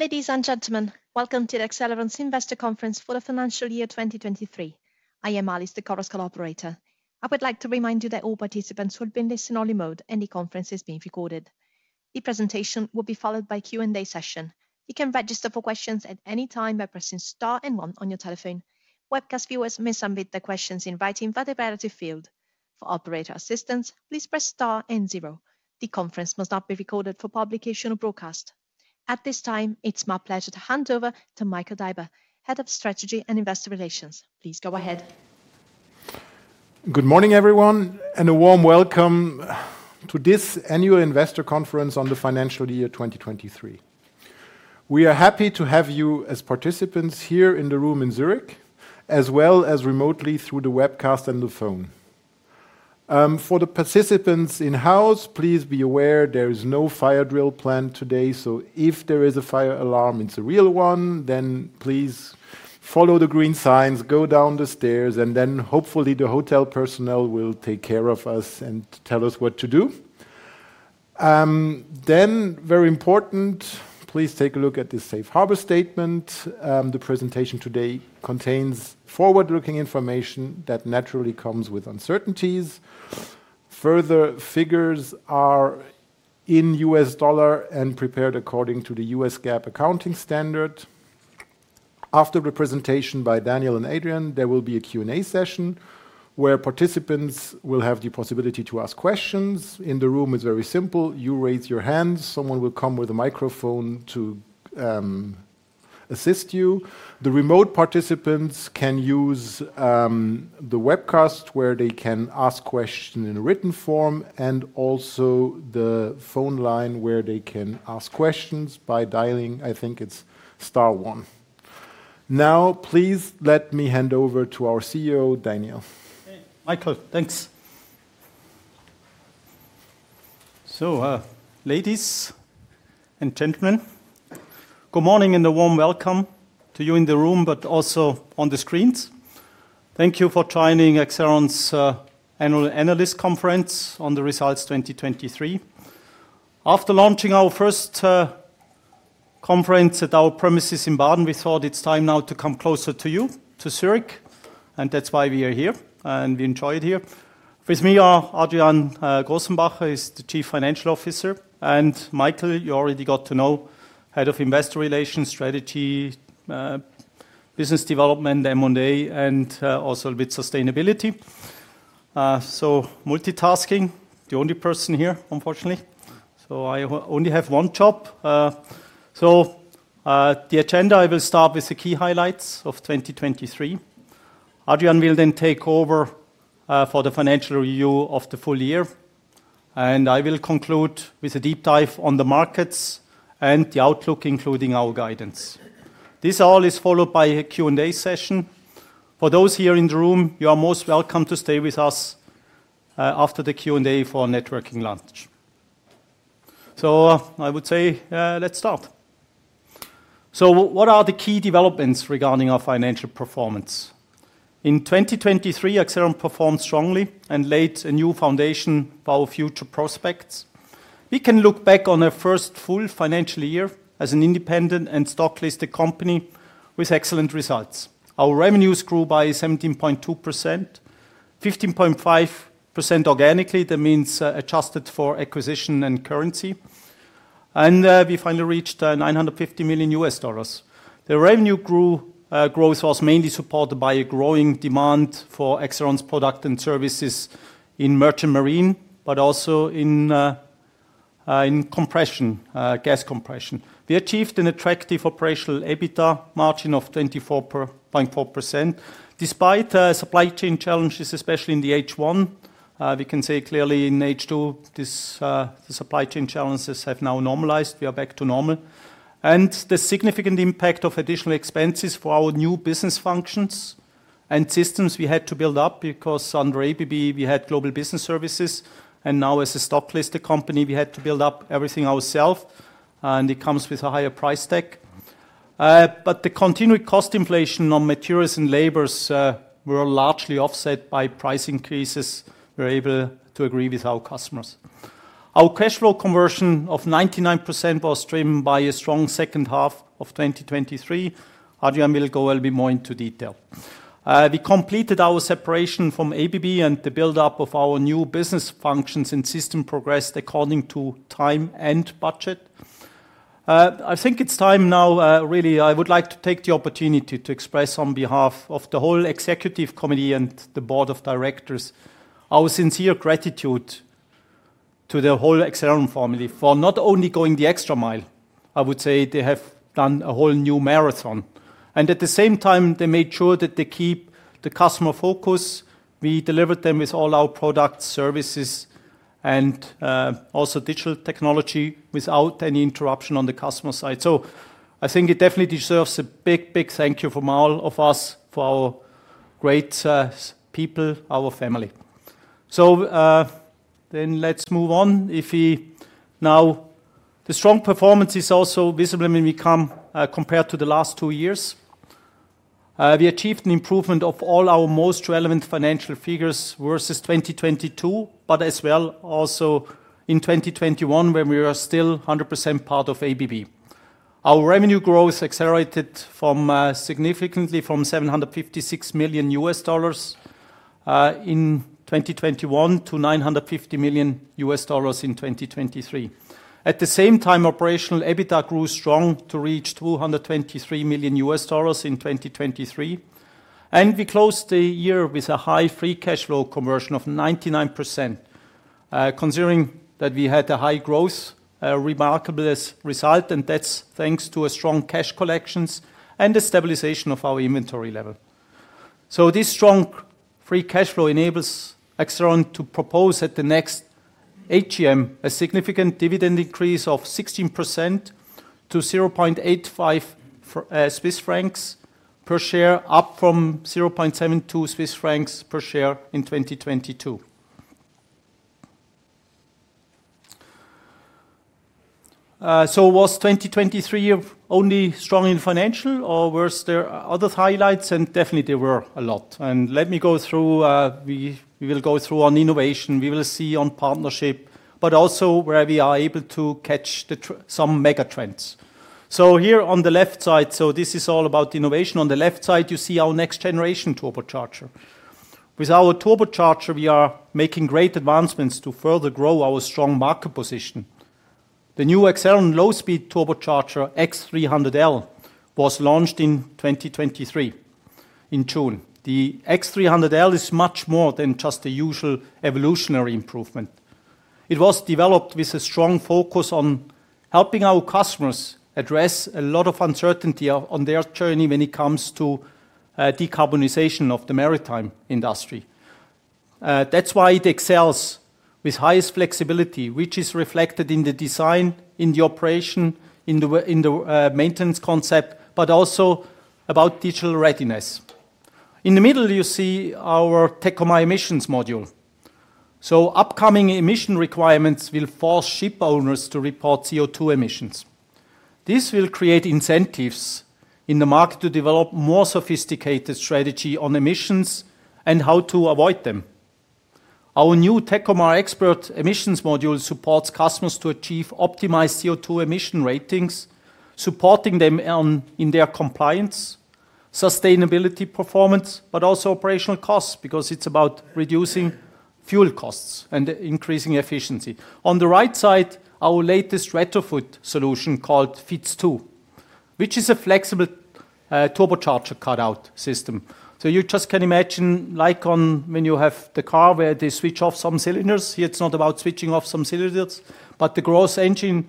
Ladies and gentlemen, welcome to the Accelleron Investor Conference for the financial year 2023. I am Alice, the Chorus Call operator. I would like to remind you that all participants are in listen-only mode and the conference is being recorded. The presentation will be followed by a Q&A session. You can register for questions at any time by pressing star and one on your telephone. Webcast viewers may submit their questions in writing via the Q&A field. For operator assistance, please press star and zero. The conference must not be recorded for publication or broadcast. At this time, it's my pleasure to hand over to Michael Daiber, Head of Strategy and Investor Relations. Please go ahead. Good morning, everyone, and a warm welcome to this annual investor conference on the financial year 2023. We are happy to have you as participants here in the room in Zurich, as well as remotely through the webcast and the phone. For the participants in-house, please be aware there is no fire drill planned today, so if there is a fire alarm, it's a real one, then please follow the green signs, go down the stairs, and then hopefully the hotel personnel will take care of us and tell us what to do. Then, very important, please take a look at this Safe Harbor statement. The presentation today contains forward-looking information that naturally comes with uncertainties. Further figures are in U.S. dollar and prepared according to the U.S. GAAP accounting standard. After the presentation by Daniel and Adrian, there will be a Q&A session where participants will have the possibility to ask questions. In the room, it's very simple. You raise your hand. Someone will come with a microphone to assist you. The remote participants can use the webcast where they can ask questions in a written form and also the phone line where they can ask questions by dialing, I think it's star one. Now, please let me hand over to our CEO, Daniel. Hey, Michael thanks. So, ladies and gentlemen, good morning and a warm welcome to you in the room, but also on the screens. Thank you for joining Accelleron's annual analyst conference on the results 2023. After launching our first conference at our premises in Baden, we thought it's time now to come closer to you, to Zurich, and that's why we are here and we enjoy it here. With me are Adrian Grossenbacher, is the Chief Financial Officer, and Michael, you already got to know, Head of Investor Relations, Strategy, Business Development, M&A, and also a bit sustainability. So multitasking, the only person here, unfortunately. So I only have one job. So the agenda, I will start with the key highlights of 2023. Adrian will then take over for the financial review of the full year, and I will conclude with a deep dive on the markets and the outlook, including our guidance. This all is followed by a Q&A session. For those here in the room, you are most welcome to stay with us after the Q&A for a networking lunch. So I would say let's start. So what are the key developments regarding our financial performance? In 2023, Accelleron performed strongly and laid a new foundation for our future prospects. We can look back on our first full financial year as an independent and stock-listed company with excellent results. Our revenues grew by 17.2%, 15.5% organically, that means adjusted for acquisition and currency. And we finally reached $950 million. The revenue growth was mainly supported by a growing demand for Accelleron's products and services in merchant marine, but also in compression, gas compression. We achieved an attractive operational EBITA margin of 24.4%. Despite supply chain challenges, especially in the H1, we can say clearly in H2, the supply chain challenges have now normalized. We are back to normal. And the significant impact of additional expenses for our new business functions and systems we had to build up because under ABB, we had global business services, and now as a stock-listed company, we had to build up everything ourselves, and it comes with a higher price tag. But the continued cost inflation on materials and labors were largely offset by price increases we were able to agree with our customers. Our cash flow conversion of 99% was driven by a strong second half of 2023. Adrian will go a little bit more into detail. We completed our separation from ABB and the buildup of our new business functions and systems progressed according to time and budget. I think it's time now, really. I would like to take the opportunity to express on behalf of the whole Executive Committee and the board of directors our sincere gratitude to the whole Accelleron's family for not only going the extra mile. I would say they have done a whole new marathon. And at the same time, they made sure that they keep the customer focus. We delivered them with all our products, services, and also digital technology without any interruption on the customer side. So I think it definitely deserves a big, big thank you from all of us for our great people, our family. So then let's move on. The strong performance is also visible when we come compared to the last two years. We achieved an improvement of all our most relevant financial figures versus 2022, but as well also in 2021 when we were still 100% part of ABB. Our revenue growth accelerated significantly from $756 million in 2021 to $950 million in 2023. At the same time, Operational EBITA grew strong to reach $223 million in 2023. We closed the year with a high free cash flow conversion of 99%, considering that we had a high growth, a remarkable result, and that's thanks to strong cash collections and the stabilization of our inventory level. This strong free cash flow enables Accelleron to propose at the next AGM a significant dividend increase of 16% to 0.85 Swiss francs per share, up from 0.72 Swiss francs per share in 2022. So was 2023 only strong in financial, or were there other highlights? And definitely, there were a lot. And let me go through. We will go through on innovation. We will see on partnership, but also where we are able to catch some mega trends. So here on the left side, so this is all about innovation. On the left side, you see our next generation turbocharger. With our turbocharger, we are making great advancements to further grow our strong market position. The new Accelleron's low-speed turbocharger X300-L was launched in 2023 in June. The X300-L is much more than just a usual evolutionary improvement. It was developed with a strong focus on helping our customers address a lot of uncertainty on their journey when it comes to decarbonization of the maritime industry. That's why it excels with highest flexibility, which is reflected in the design, in the operation, in the maintenance concept, but also about digital readiness. In the middle, you see our Tekomar emissions module. So upcoming emission requirements will force shipowners to report CO2 emissions. This will create incentives in the market to develop more sophisticated strategy on emissions and how to avoid them. Our new Tekomar XPERT emissions module supports customers to achieve optimized CO2 emission ratings, supporting them in their compliance, sustainability performance, but also operational costs because it's about reducing fuel costs and increasing efficiency. On the right side, our latest retrofit solution called FiTS2, which is a flexible turbocharger cutout system. So you just can imagine, like when you have the car where they switch off some cylinders, here it's not about switching off some cylinders, but the gross engine,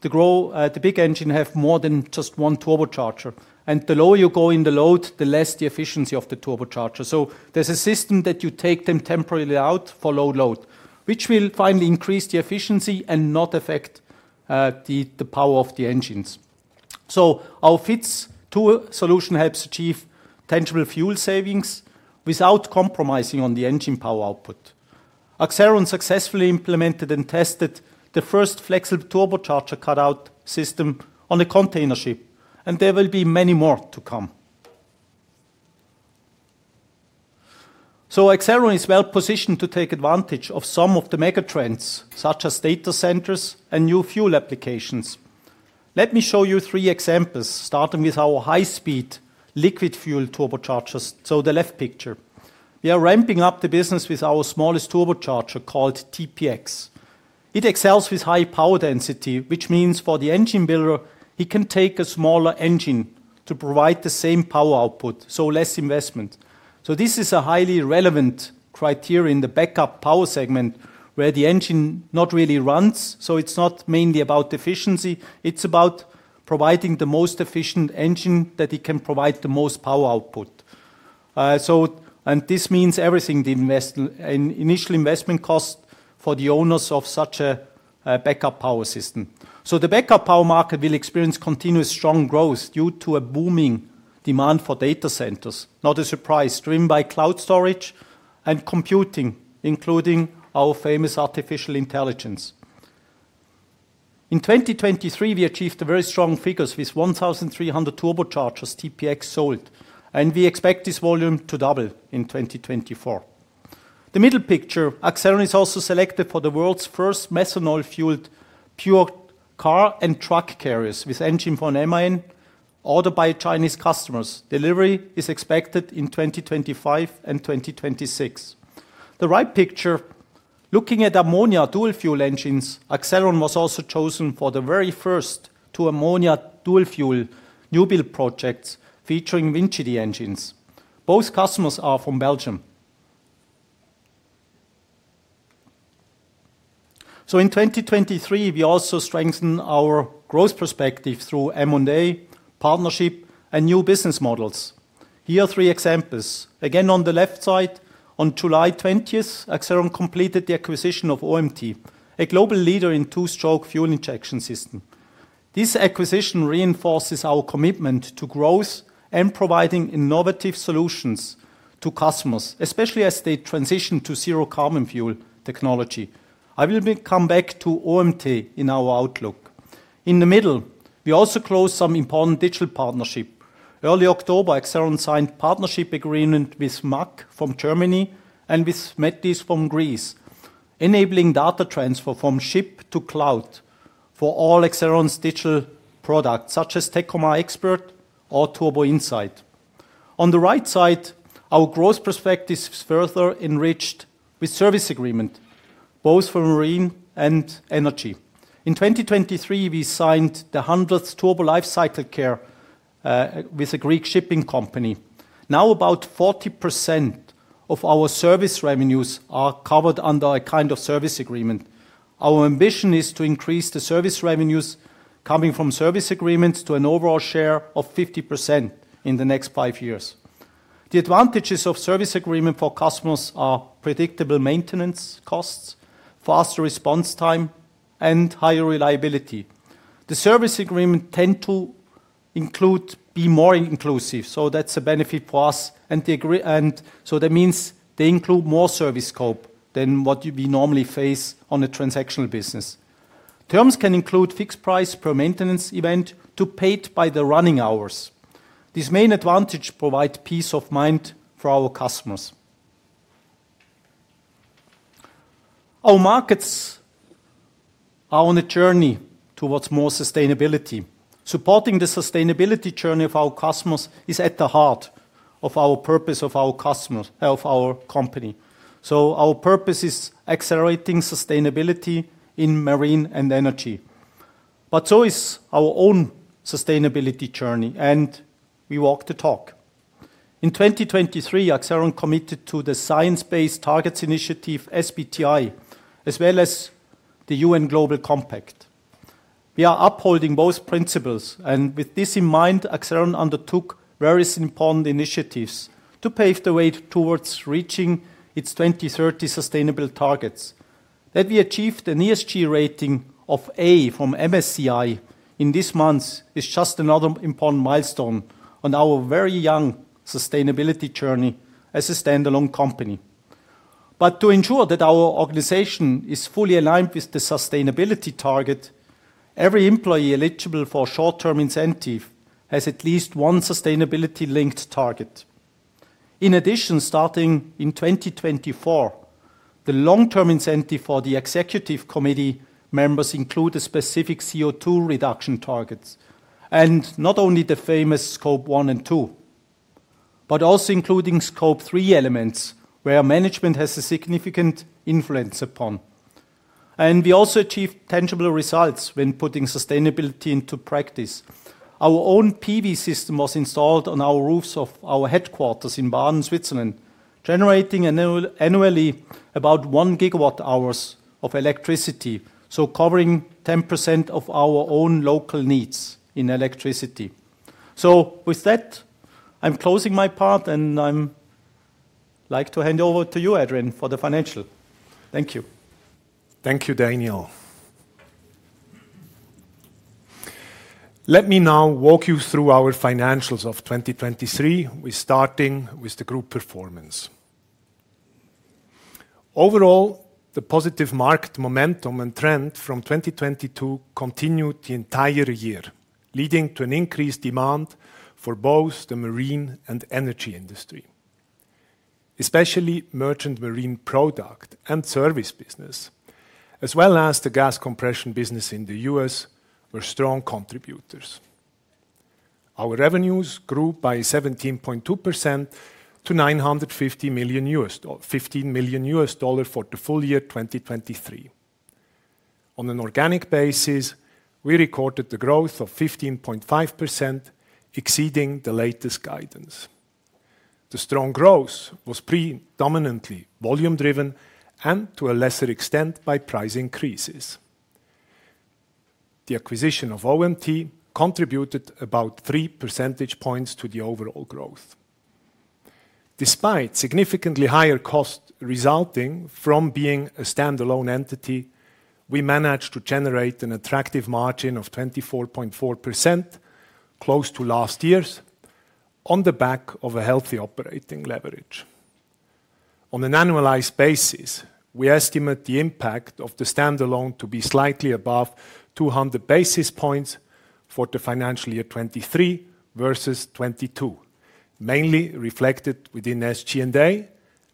the big engine has more than just one turbocharger. And the lower you go in the load, the less the efficiency of the turbocharger. So there's a system that you take them temporarily out for low load, which will finally increase the efficiency and not affect the power of the engines. So our FiTS2 solution helps achieve tangible fuel savings without compromising on the engine power output. Accelleron successfully implemented and tested the first flexible turbocharger cutout system on a container ship. And there will be many more to come. So Accelleron is well positioned to take advantage of some of the mega trends, such as data centers and new fuel applications. Let me show you three examples, starting with our high-speed liquid fuel turbochargers, so the left picture. We are ramping up the business with our smallest turbocharger called TPX. It excels with high power density, which means for the engine builder, he can take a smaller engine to provide the same power output, so less investment. So this is a highly relevant criteria in the backup power segment where the engine not really runs. So it's not mainly about efficiency. It's about providing the most efficient engine that it can provide the most power output. And this means everything, the initial investment cost for the owners of such a backup power system. So the backup power market will experience continuous strong growth due to a booming demand for data centers, not a surprise, driven by cloud storage and computing, including our famous artificial intelligence. In 2023, we achieved very strong figures with 1,300 turbochargers TPX sold. We expect this volume to double in 2024. The middle picture, Accelleron is also selected for the world's first methanol-fueled pure car and truck carriers with engine from MAN ordered by Chinese customers. Delivery is expected in 2025 and 2026. The right picture, looking at ammonia dual-fuel engines, Accelleron was also chosen for the very first two ammonia dual-fuel new build projects featuring WinGD engines. Both customers are from Belgium. In 2023, we also strengthen our growth perspective through M&A, partnership, and new business models. Here are three examples. Again, on the left side, on July 20th, Accelleron completed the acquisition of OMT, a global leader in two-stroke fuel injection system. This acquisition reinforces our commitment to growth and providing innovative solutions to customers, especially as they transition to zero-carbon fuel technology. I will come back to OMT in our outlook. In the middle, we also closed some important digital partnership. Early October, Accelleron signed a partnership agreement with M.A.C. from Germany and with METIS from Greece, enabling data transfer from ship to cloud for all Accelleron's digital products, such as Tekomar XPERT or Turbo Insights. On the right side, our growth perspective is further enriched with service agreements, both for marine and energy. In 2023, we signed the 100th Turbo Lifecycle Care with a Greek shipping company. Now, about 40% of our service revenues are covered under a kind of service agreement. Our ambition is to increase the service revenues coming from service agreements to an overall share of 50% in the next five years. The advantages of service agreements for customers are predictable maintenance costs, faster response time, and higher reliability. The service agreements tend to be more inclusive. So that's a benefit for us. So that means they include more service scope than what we normally face on a transactional business. Terms can include fixed price per maintenance event to paid by the running hours. This main advantage provides peace of mind for our customers. Our markets are on a journey towards more sustainability. Supporting the sustainability journey of our customers is at the heart of our purpose of our company. Our purpose is accelerating sustainability in marine and energy. So is our own sustainability journey. We walk the talk. In 2023, Accelleron committed to the Science-Based Targets Initiative, SBTi, as well as the UN Global Compact. We are upholding both principles. With this in mind, Accelleron undertook various important initiatives to pave the way towards reaching its 2030 sustainable targets. That we achieved an ESG rating of A from MSCI in this month is just another important milestone on our very young sustainability journey as a standalone company. But to ensure that our organization is fully aligned with the sustainability target, every employee eligible for a short-term incentive has at least one sustainability-linked target. In addition, starting in 2024, the long-term incentive for the executive committee members includes specific CO2 reduction targets, and not only the famous Scope 1 and 2, but also including Scope 3 elements where management has a significant influence upon. And we also achieved tangible results when putting sustainability into practice. Our own PV system was installed on our roofs of our headquarters in Baden, Switzerland, generating annually about 1 GWh of electricity, so covering 10% of our own local needs in electricity. With that, I'm closing my part, and I'd like to hand over to you, Adrian, for the financial. Thank you. Thank you, Daniel. Let me now walk you through our financials of 2023, starting with the group performance. Overall, the positive market momentum and trend from 2022 continued the entire year, leading to an increased demand for both the marine and energy industry. Especially merchant marine product and service business, as well as the gas compression business in the U.S., were strong contributors. Our revenues grew by 17.2% to $950 million for the full year 2023. On an organic basis, we recorded the growth of 15.5%, exceeding the latest guidance. The strong growth was predominantly volume-driven and, to a lesser extent, by price increases. The acquisition of OMT contributed about three percentage points to the overall growth. Despite significantly higher costs resulting from being a standalone entity, we managed to generate an attractive margin of 24.4%, close to last year's, on the back of a healthy operating leverage. On an annualized basis, we estimate the impact of the standalone to be slightly above 200 basis points for the financial year 2023 versus 2022, mainly reflected within SG&A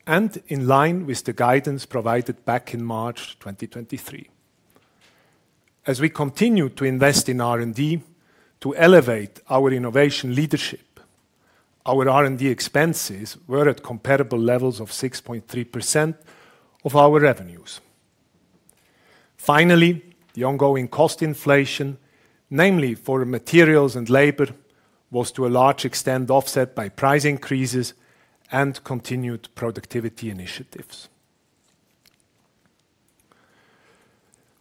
and in line with the guidance provided back in March 2023. As we continue to invest in R&D to elevate our innovation leadership, our R&D expenses were at comparable levels of 6.3% of our revenues. Finally, the ongoing cost inflation, namely for materials and labor, was to a large extent offset by price increases and continued productivity initiatives.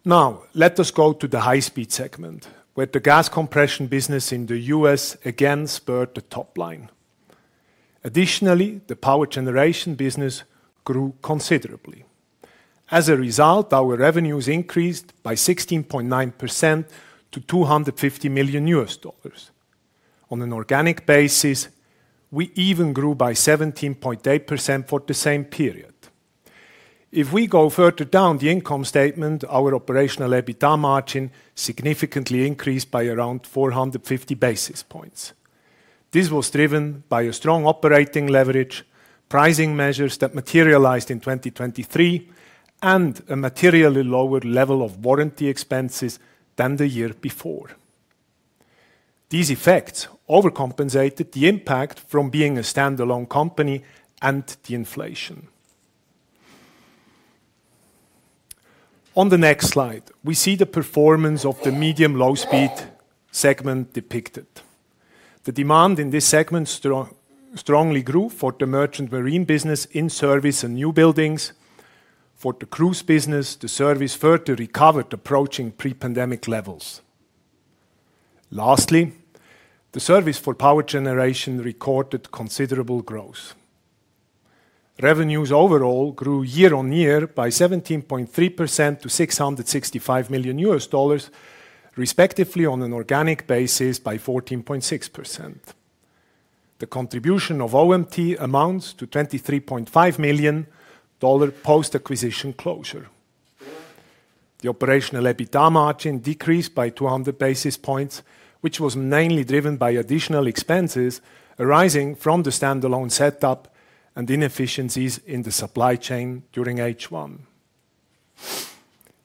Now, let us go to the high-speed segment, where the gas compression business in the U.S. again spurred the top line. Additionally, the power generation business grew considerably. As a result, our revenues increased by 16.9% to $250 million. On an organic basis, we even grew by 17.8% for the same period. If we go further down the income statement, our Operational EBITA margin significantly increased by around 450 basis points. This was driven by a strong operating leverage, pricing measures that materialized in 2023, and a materially lower level of warranty expenses than the year before. These effects overcompensated the impact from being a standalone company and the inflation. On the next slide, we see the performance of the medium-low-speed segment depicted. The demand in this segment strongly grew for the merchant marine business in service and new buildings. For the cruise business, the service further recovered, approaching pre-pandemic levels. Lastly, the service for power generation recorded considerable growth. Revenues overall grew year-on-year by 17.3% to $665 million, respectively on an organic basis by 14.6%. The contribution of OMT amounts to $23.5 million post-acquisition closure. The operational EBITA margin decreased by 200 basis points, which was mainly driven by additional expenses arising from the standalone setup and inefficiencies in the supply chain during H1.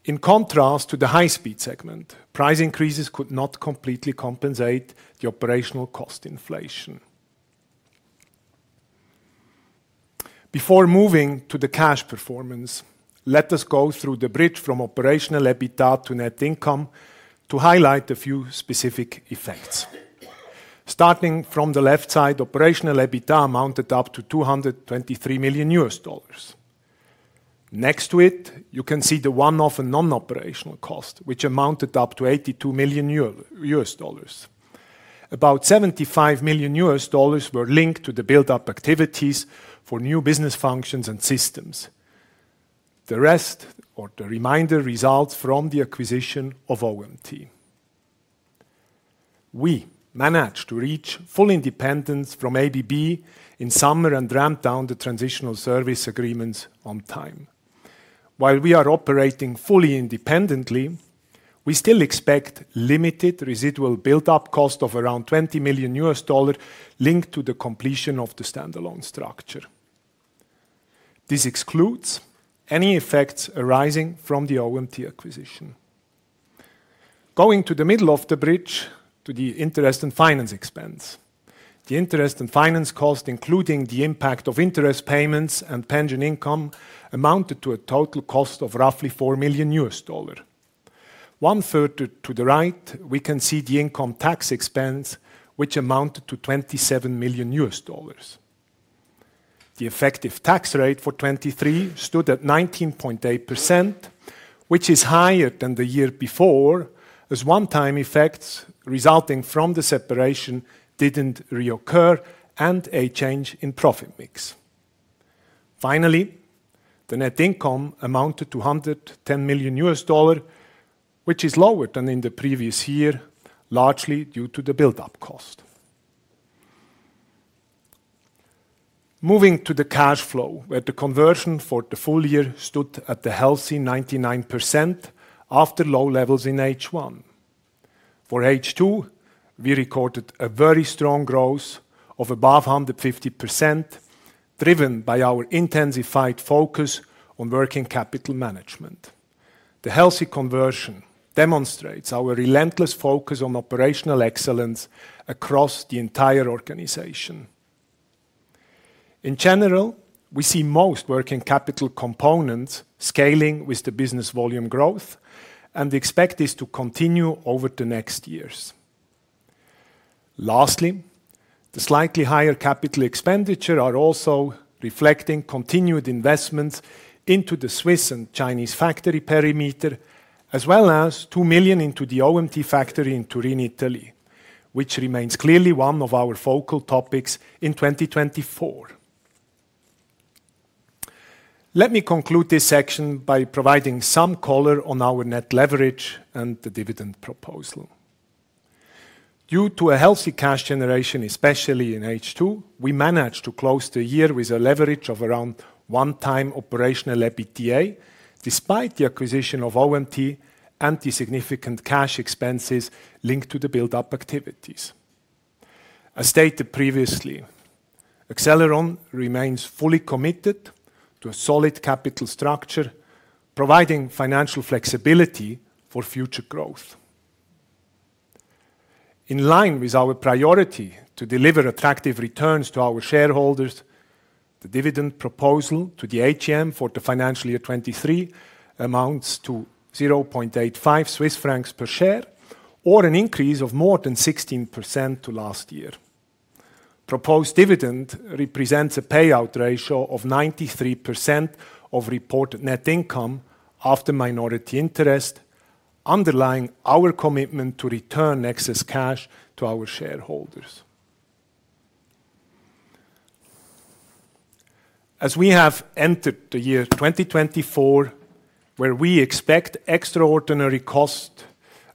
In contrast to the high-speed segment, price increases could not completely compensate the operational cost inflation. Before moving to the cash performance, let us go through the bridge from operational EBITA to net income to highlight a few specific effects. Starting from the left side, operational EBITA amounted up to $223 million. Next to it, you can see the one-off and non-operational cost, which amounted up to $82 million. About $75 million were linked to the buildup activities for new business functions and systems. The rest or the remainder results from the acquisition of OMT. We managed to reach full independence from ABB in summer and ramped down the transitional service agreements on time. While we are operating fully independently, we still expect limited residual buildup cost of around $20 million linked to the completion of the standalone structure. This excludes any effects arising from the OMT acquisition. Going to the middle of the bridge to the interest and finance expense. The interest and finance cost, including the impact of interest payments and pension income, amounted to a total cost of roughly $4 million. One-third to the right, we can see the income tax expense, which amounted to $27 million. The effective tax rate for 2023 stood at 19.8%, which is higher than the year before, as one-time effects resulting from the separation didn't reoccur and a change in profit mix. Finally, the net income amounted to $110 million, which is lower than in the previous year, largely due to the buildup cost. Moving to the cash flow, where the conversion for the full year stood at a healthy 99% after low levels in H1. For H2, we recorded a very strong growth of above 150%, driven by our intensified focus on working capital management. The healthy conversion demonstrates our relentless focus on operational excellence across the entire organization. In general, we see most working capital components scaling with the business volume growth, and we expect this to continue over the next years. Lastly, the slightly higher capital expenditure is also reflecting continued investments into the Swiss and Chinese factory premises, as well as 2 million into the OMT factory in Turin, Italy, which remains clearly one of our focal topics in 2024. Let me conclude this section by providing some color on our net leverage and the dividend proposal. Due to a healthy cash generation, especially in H2, we managed to close the year with a leverage of around 1x operational EBITA, despite the acquisition of OMT and the significant cash expenses linked to the buildup activities. As stated previously, Accelleron remains fully committed to a solid capital structure, providing financial flexibility for future growth. In line with our priority to deliver attractive returns to our shareholders, the dividend proposal to the AGM for the financial year 2023 amounts to 0.85 Swiss francs per share, or an increase of more than 16% to last year. Proposed dividend represents a payout ratio of 93% of reported net income after minority interest, underlying our commitment to return excess cash to our shareholders. As we have entered the year 2024, where we expect extraordinary costs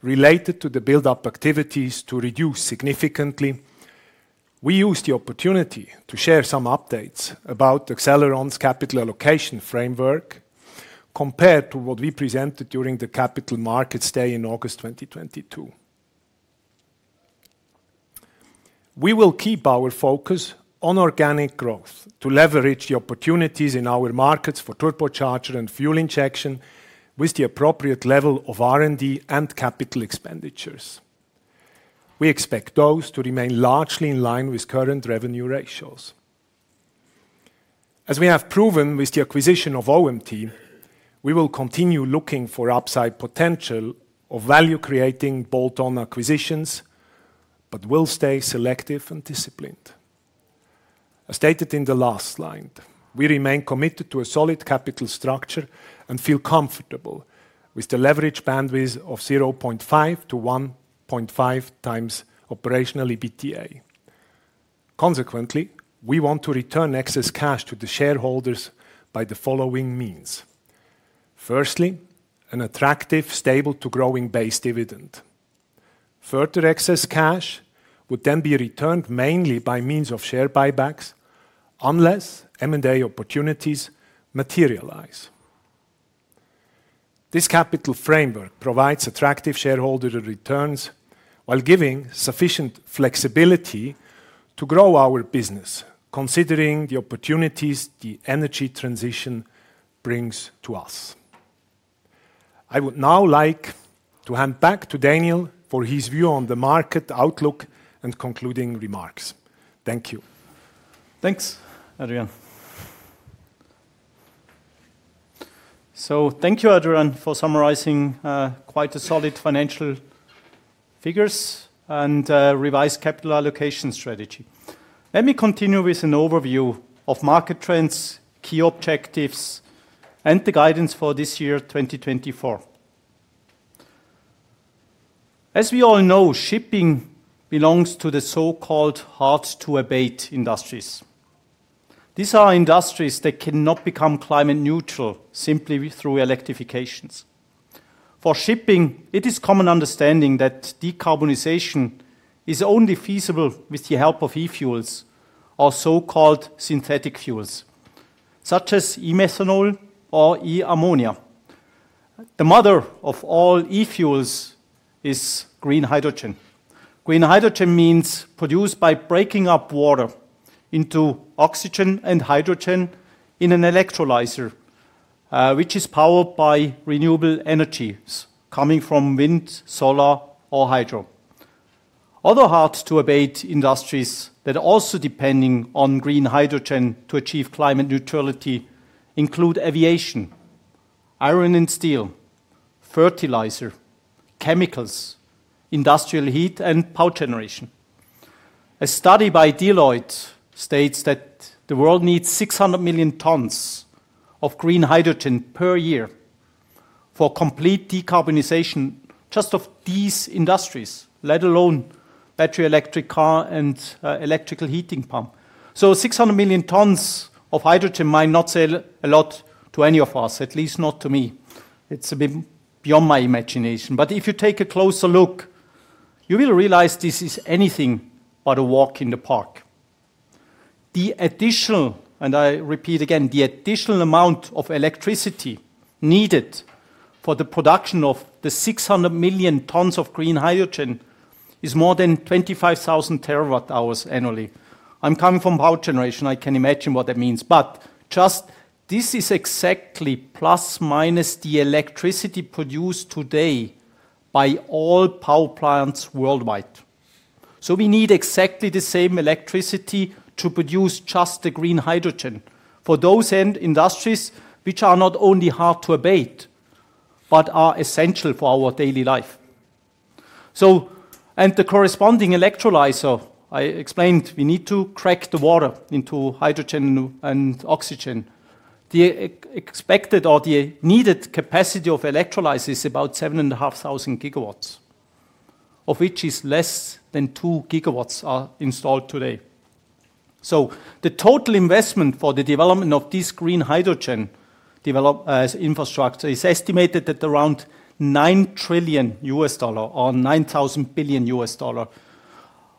related to the buildup activities to reduce significantly, we used the opportunity to share some updates about Accelleron's capital allocation framework, compared to what we presented during the Capital Markets Day in August 2022. We will keep our focus on organic growth to leverage the opportunities in our markets for turbocharger and fuel injection with the appropriate level of R&D and capital expenditures. We expect those to remain largely in line with current revenue ratios. As we have proven with the acquisition of OMT, we will continue looking for upside potential of value-creating bolt-on acquisitions, but will stay selective and disciplined. As stated in the last line, we remain committed to a solid capital structure and feel comfortable with the leverage bandwidth of 0.5-1.5x operational EBITA. Consequently, we want to return excess cash to the shareholders by the following means. Firstly, an attractive, stable-to-growing base dividend. Further excess cash would then be returned mainly by means of share buybacks, unless M&A opportunities materialize. This capital framework provides attractive shareholder returns while giving sufficient flexibility to grow our business, considering the opportunities the energy transition brings to us. I would now like to hand back to Daniel for his view on the market outlook and concluding remarks. Thank you. Thanks, Adrian. So thank you, Adrian, for summarizing quite solid financial figures and revised capital allocation strategy. Let me continue with an overview of market trends, key objectives, and the guidance for this year 2024. As we all know, shipping belongs to the so-called hard-to-abate industries. These are industries that cannot become climate-neutral simply through electrification. For shipping, it is common understanding that decarbonization is only feasible with the help of e-fuels or so-called synthetic fuels, such as e-methanol or e-ammonia. The mother of all e-fuels is green hydrogen. Green hydrogen means produced by breaking up water into oxygen and hydrogen in an electrolyzer, which is powered by renewable energies coming from wind, solar, or hydro. Other hard-to-abate industries that are also depending on green hydrogen to achieve climate neutrality include aviation, iron and steel, fertilizer, chemicals, industrial heat, and power generation. A study by Deloitte states that the world needs 600 million tons of green hydrogen per year for complete decarbonization just of these industries, let alone battery electric car and electrical heating pump. So 600 million tons of hydrogen might not say a lot to any of us, at least not to me. It's a bit beyond my imagination. But if you take a closer look, you will realize this is anything but a walk in the park. The additional, and I repeat again, the additional amount of electricity needed for the production of the 600 million tons of green hydrogen is more than 25,000 terawatt-hours annually. I'm coming from power generation. I can imagine what that means. But just this is exactly ± the electricity produced today by all power plants worldwide. So we need exactly the same electricity to produce just the green hydrogen for those industries which are not only hard to abate but are essential for our daily life. The corresponding electrolyzer, I explained, we need to crack the water into hydrogen and oxygen. The expected or the needed capacity of electrolyzer is about 7,500 GW of which less than 2 GW are installed today. So the total investment for the development of this green hydrogen infrastructure is estimated at around $9 trillion or $9,000 billion,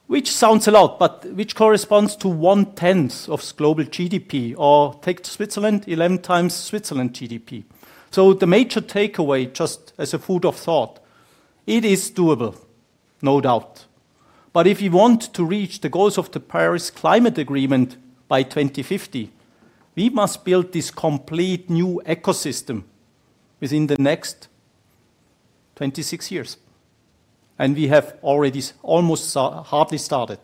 which sounds a lot, but which corresponds to one-tenth of global GDP or, take Switzerland, 11x Switzerland GDP. So the major takeaway, just as a food for thought, it is doable, no doubt. But if you want to reach the goals of the Paris Climate Agreement by 2050, we must build this complete new ecosystem within the next 26 years. We have already almost hardly started.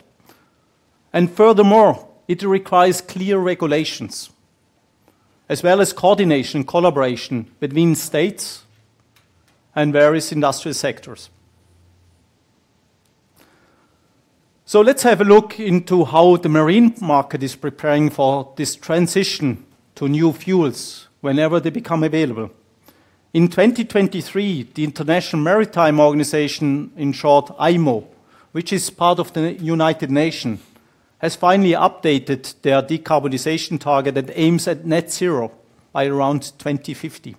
Furthermore, it requires clear regulations, as well as coordination and collaboration between states and various industrial sectors. Let's have a look into how the marine market is preparing for this transition to new fuels whenever they become available. In 2023, the International Maritime Organization, in short, IMO, which is part of the United Nations, has finally updated their decarbonization target that aims at net zero by around 2050.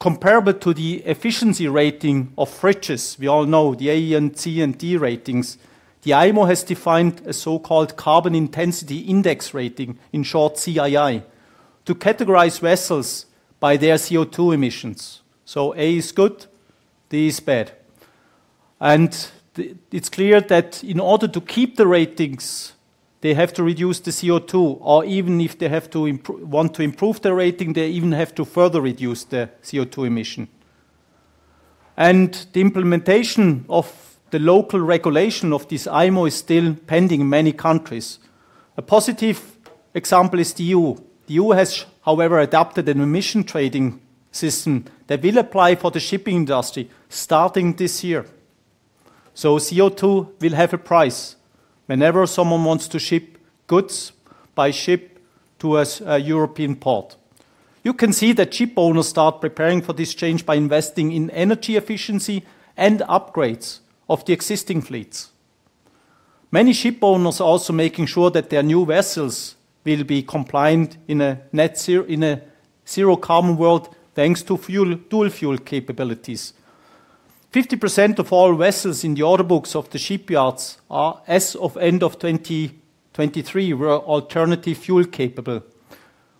Comparable to the efficiency rating of fridges, we all know the A, C, and D ratings, the IMO has defined a so-called carbon intensity index rating, in short, CII, to categorize vessels by their CO2 emissions. So A is good, D is bad. It's clear that in order to keep the ratings, they have to reduce the CO2, or even if they want to improve their rating, they even have to further reduce the CO2 emissions. The implementation of the local regulation of this IMO is still pending in many countries. A positive example is the EU. The EU has, however, adopted an emissions trading system that will apply for the shipping industry starting this year. CO2 will have a price whenever someone wants to ship goods by ship to a European port. You can see that shipowners start preparing for this change by investing in energy efficiency and upgrades of the existing fleets. Many shipowners are also making sure that their new vessels will be compliant in a zero-carbon world thanks to dual-fuel capabilities. 50% of all vessels in the order books of the shipyards are, as of the end of 2023, were alternative fuel capable.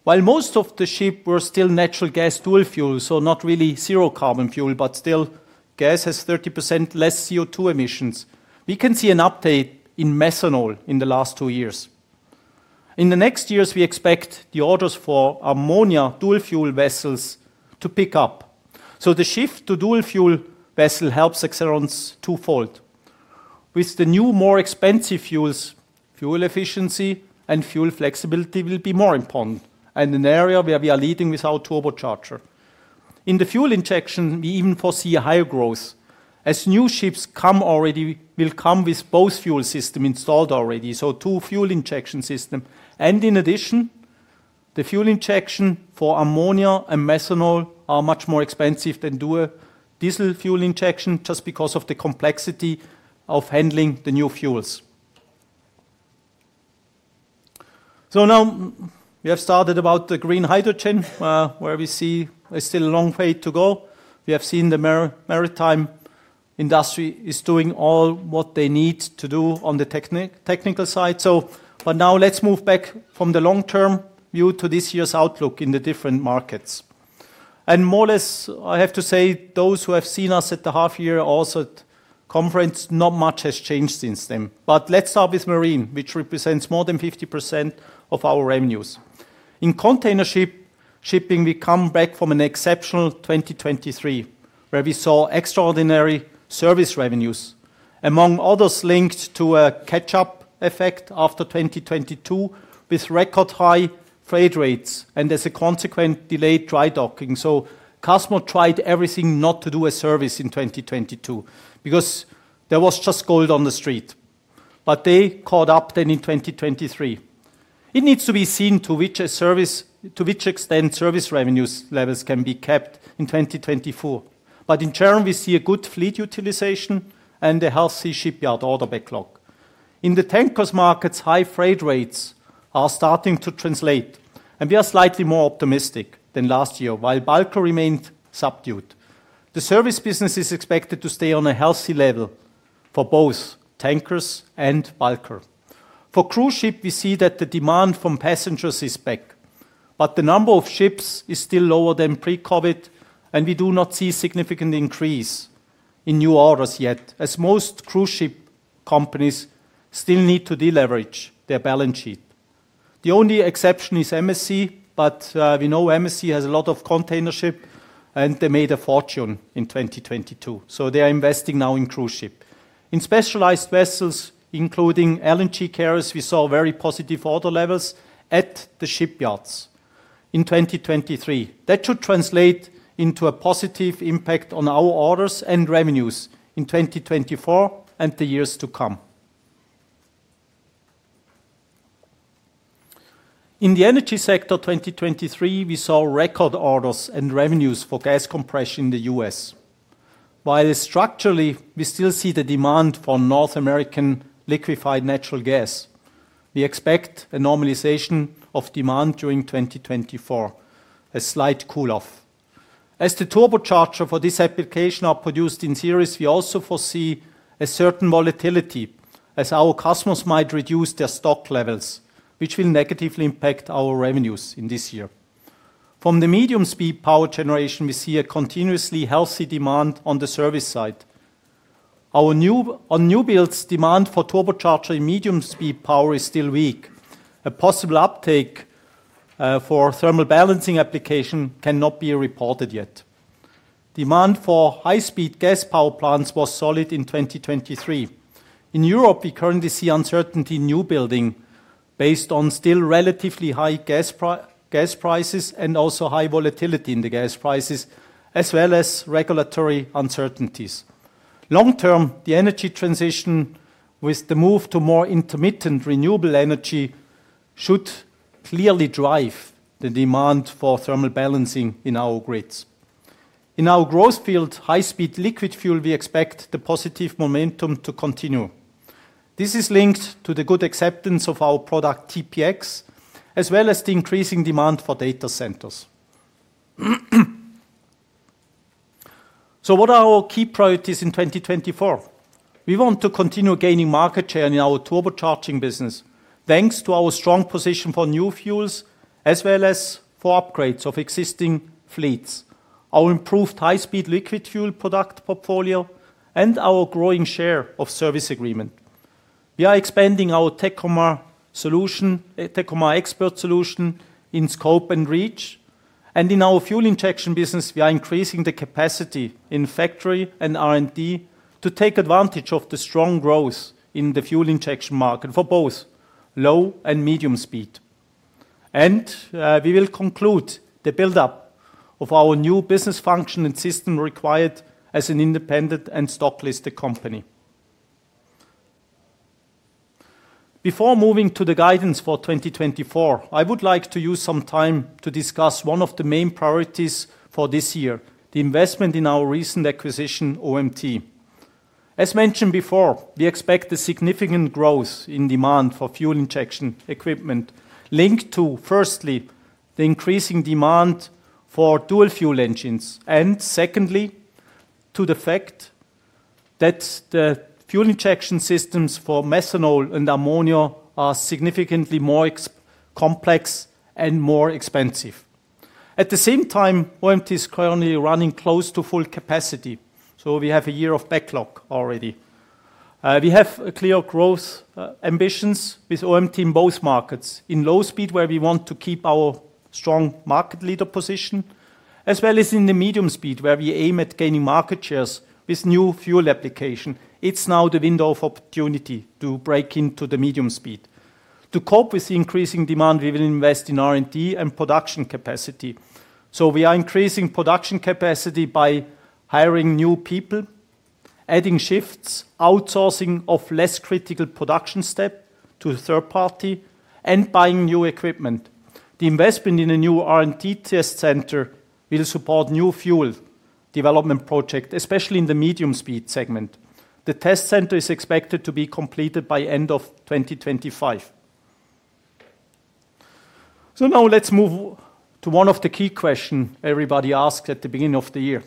While most of the ships were still natural gas dual fuel, so not really zero-carbon fuel, but still gas has 30% less CO2 emissions, we can see an update in methanol in the last two years. In the next years, we expect the orders for ammonia dual-fuel vessels to pick up. So the shift to dual-fuel vessels helps Accelleron twofold. With the new, more expensive fuels, fuel efficiency and fuel flexibility will be more important, and an area where we are leading with our turbocharger. In the fuel injection, we even foresee a higher growth. As new ships come already, they will come with both fuel systems installed already, so two fuel injection systems. In addition, the fuel injection for ammonia and methanol is much more expensive than doing a diesel fuel injection just because of the complexity of handling the new fuels. So now we have started about the green hydrogen, where we see there's still a long way to go. We have seen the maritime industry is doing all what they need to do on the technical side. But now let's move back from the long-term view to this year's outlook in the different markets. And more or less, I have to say, those who have seen us at the half-year or also at the conference, not much has changed since then. But let's start with marine, which represents more than 50% of our revenues. In container shipping, we come back from an exceptional 2023, where we saw extraordinary service revenues, among others linked to a catch-up effect after 2022 with record-high freight rates and, as a consequence, delayed dry docking. So customers tried everything not to do a service in 2022 because there was just gold on the street. But they caught up then in 2023. It needs to be seen to which extent service revenue levels can be kept in 2024. But in general, we see a good fleet utilization and a healthy shipyard order backlog. In the tankers markets, high freight rates are starting to translate. And we are slightly more optimistic than last year, while bulker remained subdued. The service business is expected to stay on a healthy level for both tankers and bulker. For cruise ship, we see that the demand from passengers is back. But the number of ships is still lower than pre-COVID, and we do not see a significant increase in new orders yet, as most cruise ship companies still need to deleverage their balance sheet. The only exception is MSC, but we know MSC has a lot of container ship, and they made a fortune in 2022. So they are investing now in cruise ship. In specialized vessels, including LNG carriers, we saw very positive order levels at the shipyards in 2023. That should translate into a positive impact on our orders and revenues in 2024 and the years to come. In the energy sector, 2023, we saw record orders and revenues for gas compression in the U.S. While structurally, we still see the demand for North American liquefied natural gas, we expect a normalization of demand during 2024, a slight cool-off. As the turbocharger for this application is produced in series, we also foresee a certain volatility, as our customers might reduce their stock levels, which will negatively impact our revenues in this year. From the medium-speed power generation, we see a continuously healthy demand on the service side. On newbuilds, demand for turbocharger in medium-speed power is still weak. A possible uptake for thermal balancing application cannot be reported yet. Demand for high-speed gas power plants was solid in 2023. In Europe, we currently see uncertainty in newbuilding based on still relatively high gas prices and also high volatility in the gas prices, as well as regulatory uncertainties. Long-term, the energy transition with the move to more intermittent renewable energy should clearly drive the demand for thermal balancing in our grids. In our growth field, high-speed liquid fuel, we expect the positive momentum to continue. This is linked to the good acceptance of our product TPX, as well as the increasing demand for data centers. So what are our key priorities in 2024? We want to continue gaining market share in our turbocharging business thanks to our strong position for new fuels as well as for upgrades of existing fleets, our improved high-speed liquid fuel product portfolio, and our growing share of service agreement. We are expanding our Tekomar XPERT solution in scope and reach. And in our fuel injection business, we are increasing the capacity in factory and R&D to take advantage of the strong growth in the fuel injection market for both low and medium speed. And we will conclude the buildup of our new business function and system required as an independent and stocklisted company. Before moving to the guidance for 2024, I would like to use some time to discuss one of the main priorities for this year, the investment in our recent acquisition, OMT. As mentioned before, we expect a significant growth in demand for fuel injection equipment linked to, firstly, the increasing demand for dual-fuel engines, and secondly, to the fact that the fuel injection systems for methanol and ammonia are significantly more complex and more expensive. At the same time, OMT is currently running close to full capacity. So we have a year of backlog already. We have clear growth ambitions with OMT in both markets, in low speed, where we want to keep our strong market leader position, as well as in the medium speed, where we aim at gaining market shares with new fuel application. It's now the window of opportunity to break into the medium speed. To cope with the increasing demand, we will invest in R&D and production capacity. So we are increasing production capacity by hiring new people, adding shifts, outsourcing of less critical production steps to third parties, and buying new equipment. The investment in a new R&D test center will support new fuel development projects, especially in the medium-speed segment. The test center is expected to be completed by the end of 2025. So now let's move to one of the key questions everybody asked at the beginning of the year,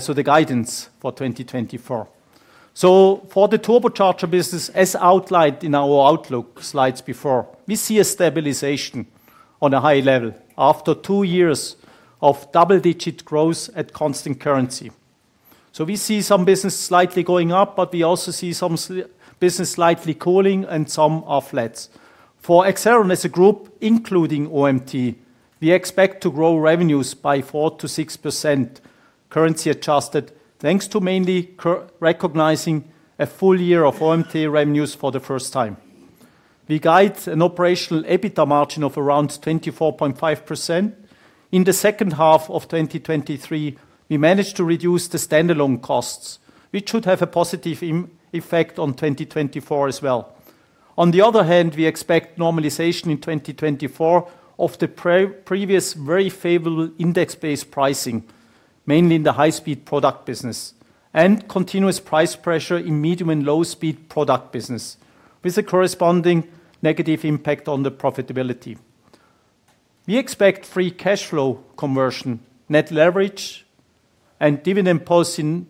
so the guidance for 2024. So for the turbocharger business, as outlined in our outlook slides before, we see a stabilization on a high level after 2 years of double-digit growth at constant currency. So we see some business slightly going up, but we also see some business slightly cooling, and some are flat. For Accelleron as a group, including OMT, we expect to grow revenues by 4%-6% currency-adjusted thanks to mainly recognizing a full year of OMT revenues for the first time. We guide an Operational EBITA margin of around 24.5%. In the second half of 2023, we managed to reduce the standalone costs, which should have a positive effect on 2024 as well. On the other hand, we expect normalization in 2024 of the previous very favorable index-based pricing, mainly in the high-speed product business, and continuous price pressure in medium and low-speed product business with a corresponding negative impact on the profitability. We expect free cash flow conversion, net leverage, and dividend policy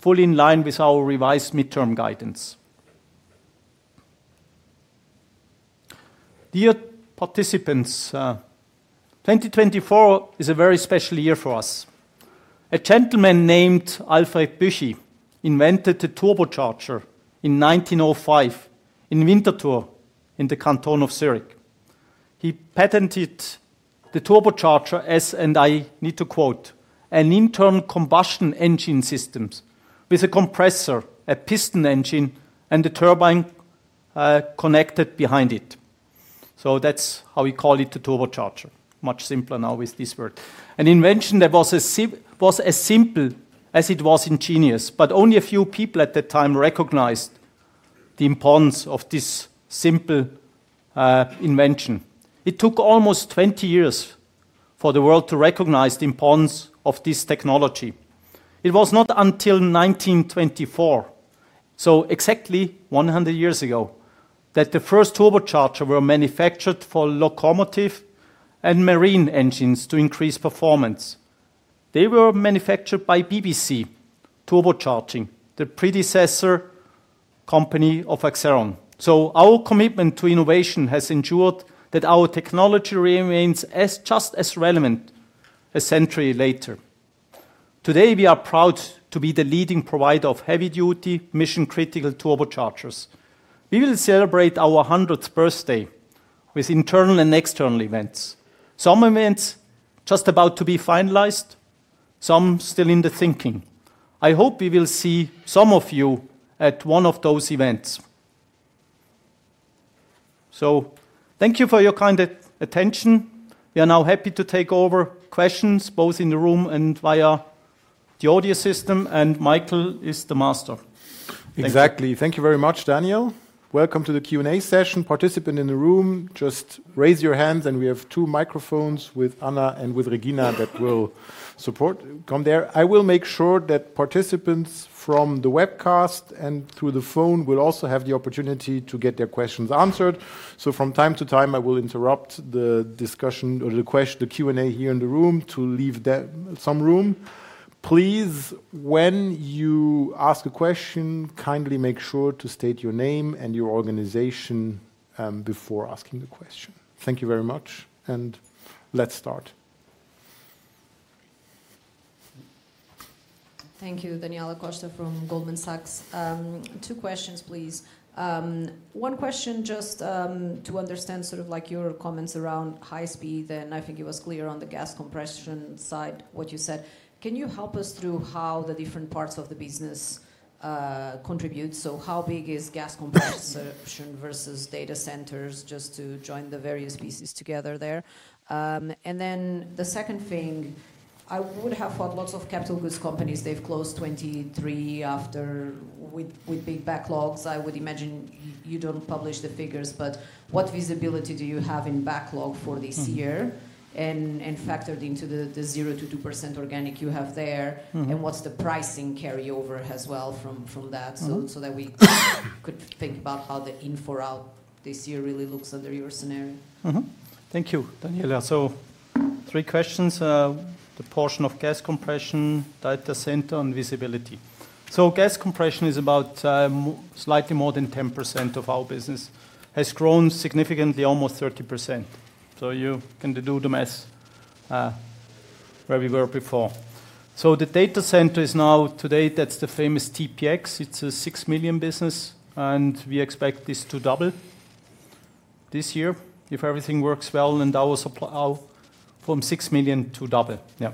fully in line with our revised midterm guidance. Dear participants, 2024 is a very special year for us. A gentleman named Alfred Büchi invented the turbocharger in 1905 in Winterthur in the canton of Zurich. He patented the turbocharger, as I need to quote, "an internal combustion engine system with a compressor, a piston engine, and a turbine connected behind it." So that's how we call it, the turbocharger, much simpler now with this word. An invention that was as simple as it was ingenious, but only a few people at that time recognized the importance of this simple invention. It took almost 20 years for the world to recognize the importance of this technology. It was not until 1924, so exactly 100 years ago, that the first turbocharger was manufactured for locomotive and marine engines to increase performance. They were manufactured by BBC Turbocharging, the predecessor company of Accelleron. So our commitment to innovation has ensured that our technology remains just as relevant a century later. Today, we are proud to be the leading provider of heavy-duty, mission-critical turbochargers. We will celebrate our 100th birthday with internal and external events, some events just about to be finalized, some still in the thinking. I hope we will see some of you at one of those events. So thank you for your kind attention. We are now happy to take over questions both in the room and via the audio system, and Michael is the master. Exactly. Thank you very much, Daniel. Welcome to the Q&A session. Participants in the room, just raise your hands, and we have two microphones with Anna and with Regina that will come there. I will make sure that participants from the webcast and through the phone will also have the opportunity to get their questions answered. So from time to time, I will interrupt the discussion or the Q&A here in the room to leave some room. Please, when you ask a question, kindly make sure to state your name and your organization before asking the question. Thank you very much, and let's start. Thank you, Daniela Costa from Goldman Sachs. Two questions, please. One question just to understand sort of your comments around high speed. And I think it was clear on the gas compression side what you said. Can you help us through how the different parts of the business contribute? So how big is gas compression versus data centers, just to join the various pieces together there? And then the second thing, I would have thought lots of capital goods companies, they've closed 2023 with big backlogs. I would imagine you don't publish the figures, but what visibility do you have in backlog for this year and factored into the 0%-2% organic you have there? And what's the pricing carryover as well from that so that we could think about how the in for out this year really looks under your scenario? Thank you, Daniela. So three questions, the portion of gas compression, data center, and visibility. So gas compression is about slightly more than 10% of our business, has grown significantly, almost 30%. So you can do the math where we were before. So the data center is now today, that's the famous TPX. It's a 6 million business, and we expect this to double this year if everything works well and our supply from 6 million to double. Yeah.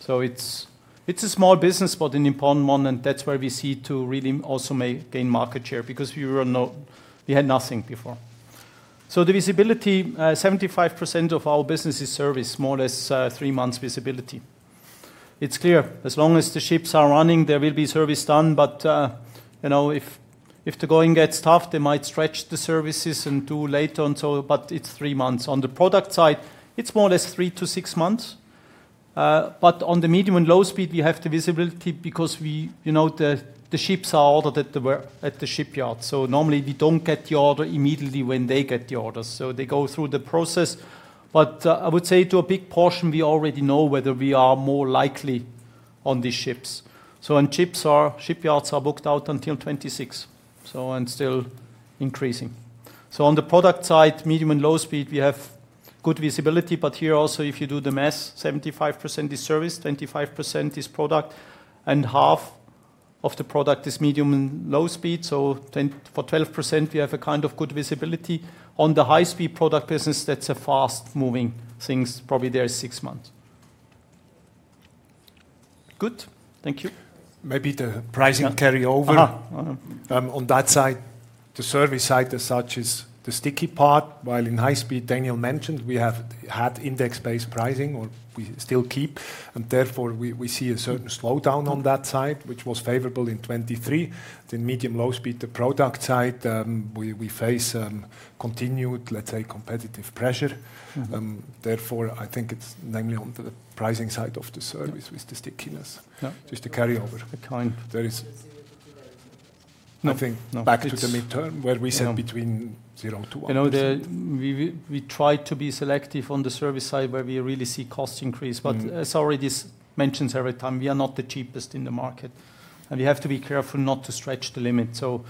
So it's a small business, but an important one, and that's where we see to really also gain market share because we had nothing before. The visibility, 75% of our business is service, more or less three months visibility. It's clear, as long as the ships are running, there will be service done. But if the going gets tough, they might stretch the services and do later on, but it's three months. On the product side, it's more or less three to six months. But on the medium and low speed, we have the visibility because the ships are ordered at the shipyard. Normally, we don't get the order immediately when they get the orders. They go through the process. But I would say to a big portion, we already know whether we are more likely on these ships. Shipyards are booked out until 2026 and still increasing. So on the product side, medium and low speed, we have good visibility. But here also, if you do the math, 75% is service, 25% is product, and half of the product is medium and low speed. So for 12%, we have a kind of good visibility. On the high-speed product business, that's a fast-moving thing. Probably there's 6 months. Good. Thank you. Maybe the pricing carryover. On that side, the service side as such is the sticky part. While in high speed, Daniel mentioned we have had index-based pricing, or we still keep, and therefore, we see a certain slowdown on that side, which was favorable in 2023. In medium-low speed, the product side, we face continued, let's say, competitive pressure. Therefore, I think it's mainly on the pricing side of the service with the stickiness, just the carryover. There is nothing. Back to the mid-term where we said between 0%-1%. We try to be selective on the service side where we really see cost increase. But as already mentioned every time, we are not the cheapest in the market. And we have to be careful not to stretch the limit. So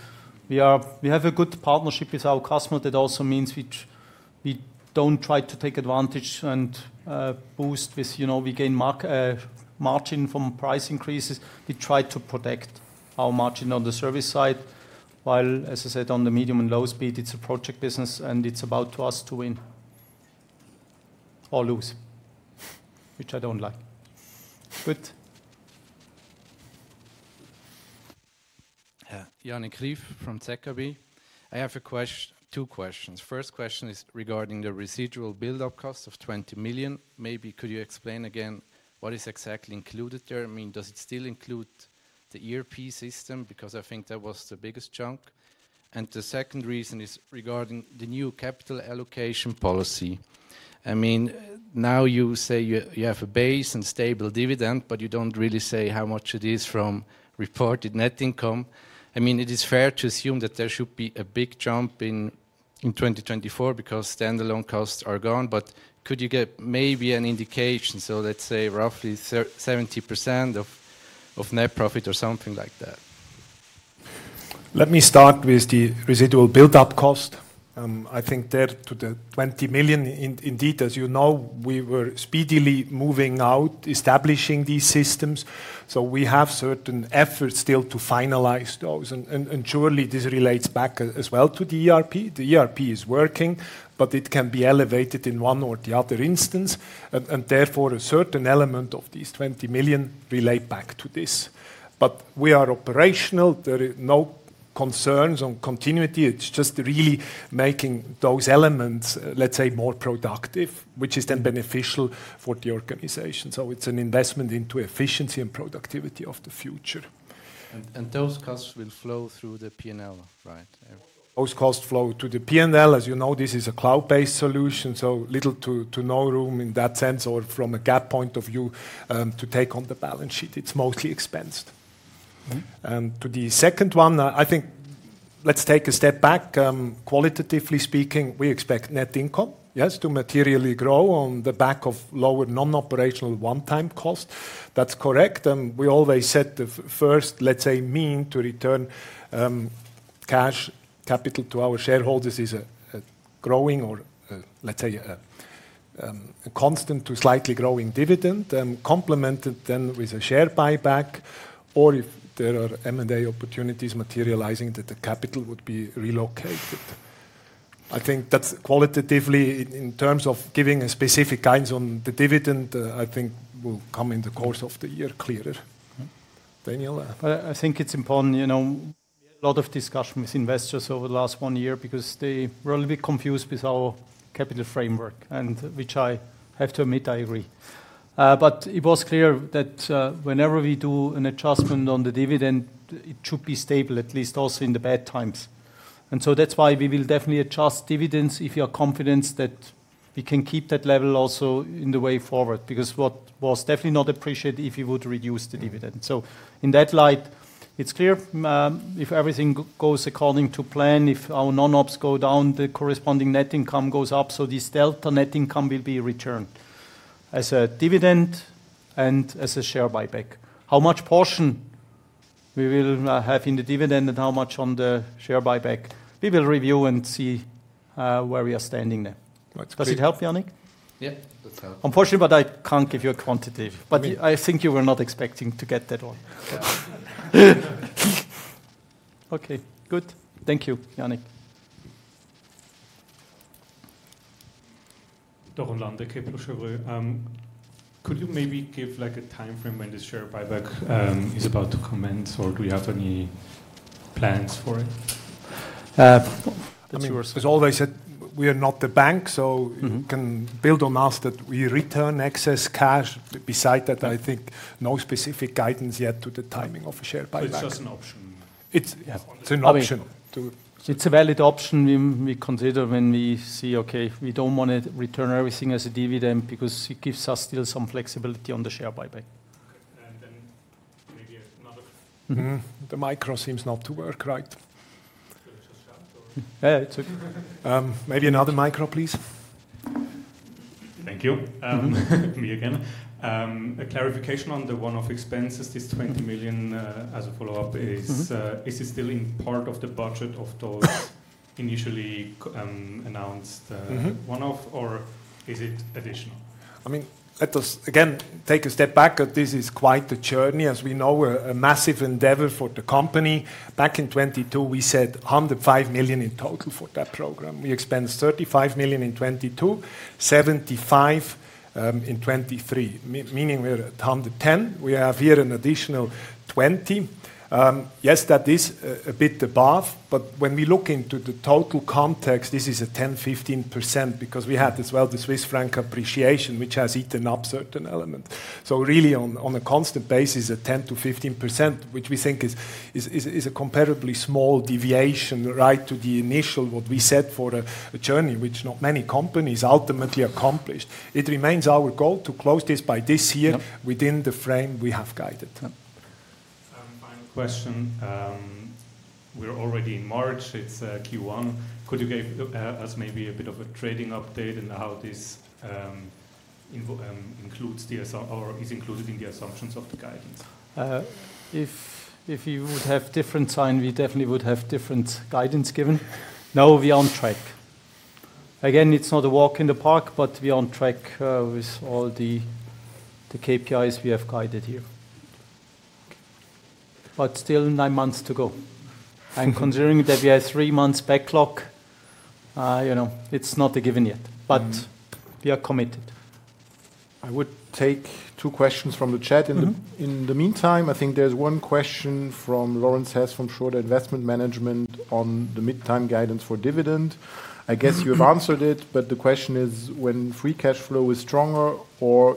we have a good partnership with our customer. That also means we don't try to take advantage and boost with we gain margin from price increases. We try to protect our margin on the service side. While, as I said, on the medium and low speed, it's a project business, and it's about to us to win or lose, which I don't like. Good. Yeah. Yannik Ryf from Zürcher Kantonalbank. I have two questions. First question is regarding the residual buildup cost of 20 million. Maybe could you explain again what is exactly included there? I mean, does it still include the ERP system? Because I think that was the biggest chunk. And the second reason is regarding the new capital allocation policy. I mean, now you say you have a base and stable dividend, but you don't really say how much it is from reported net income. I mean, it is fair to assume that there should be a big jump in 2024 because standalone costs are gone. But could you get maybe an indication? So let's say roughly 70% of net profit or something like that. Let me start with the residual buildup cost. I think there to the 20 million, indeed, as you know, we were speedily moving out, establishing these systems. We have certain efforts still to finalize those. Surely, this relates back as well to the ERP. The ERP is working, but it can be elevated in one or the other instance. Therefore, a certain element of these 20 million relate back to this. But we are operational. There are no concerns on continuity. It's just really making those elements, let's say, more productive, which is then beneficial for the organization. So it's an investment into efficiency and productivity of the future. And those costs will flow through the P&L, right? Those costs flow to the P&L. As you know, this is a cloud-based solution, so little to no room in that sense or from a GAAP point of view to take on the balance sheet. It's mostly expensed. To the second one, I think let's take a step back. Qualitatively speaking, we expect net income, yes, to materially grow on the back of lower non-operational one-time costs. That's correct. We always said the first, let's say, means to return cash capital to our shareholders is a growing or, let's say, a constant to slightly growing dividend, complemented then with a share buyback, or if there are M&A opportunities materializing that the capital would be relocated. I think that's qualitatively, in terms of giving a specific guidance on the dividend, I think will come in the course of the year clearer. Daniel? I think it's important. We had a lot of discussions with investors over the last one year because they were a little bit confused with our capital framework, which I have to admit I agree. But it was clear that whenever we do an adjustment on the dividend, it should be stable, at least also in the bad times. And so that's why we will definitely adjust dividends if we are confident that we can keep that level also in the way forward because what was definitely not appreciated if you would reduce the dividend. So in that light, it's clear if everything goes according to plan, if our non-ops go down, the corresponding net income goes up. So this delta net income will be returned as a dividend and as a share buyback. How much portion we will have in the dividend and how much on the share buyback, we will review and see where we are standing there. Does it help, Yannik? Yeah, that's helpful. Unfortunately, but I can't give you a quantity. But I think you were not expecting to get that one. Okay. Good. Thank you, Yannik. Mackie from Kepler Cheuvreux, could you maybe give a time frame when this share buyback is about to commence, or do you have any plans for it? As always, we are not the bank, so you can build on us that we return excess cash. Besides that, I think no specific guidance yet to the timing of a share buyback. It's just an option. It's a valid option we consider when we see, okay, we don't want to return everything as a dividend because it gives us still some flexibility on the share buyback. Okay. And then maybe another. The mic seems not to work, right? Should I just shout? Yeah, it's okay. Maybe another mic, please. Thank you. Me again. A clarification on the one-off expenses, this 20 million as a follow-up, is it still in part of the budget of those initially announced one-off, or is it additional? I mean, let us again take a step back, but this is quite the journey. As we know, a massive endeavor for the company. Back in 2022, we said 105 million in total for that program. We expense 35 million in 2022, 75 million in 2023, meaning we're at 110 million. We have here an additional 20 million. Yes, that is a bit above. But when we look into the total context, this is a 10%-15% because we had as well the Swiss franc appreciation, which has eaten up certain elements. So really, on a constant basis, a 10%-15%, which we think is a comparably small deviation right to the initial what we set for a journey, which not many companies ultimately accomplished. It remains our goal to close this by this year within the frame we have guided. Final question. We're already in March. It's Q1. Could you give us maybe a bit of a trading update and how this includes or is included in the assumptions of the guidance? If you would have different sign, we definitely would have different guidance given. No, we are on track. Again, it's not a walk in the park, but we are on track with all the KPIs we have guided here. But still nine months to go. And considering that we have three months backlog, it's not a given yet, but we are committed. I would take two questions from the chat. In the meantime, I think there's one question from Lorenz Hess from Schroder Investment Management on the mid-term guidance for dividend. I guess you have answered it, but the question is when free cash flow is stronger or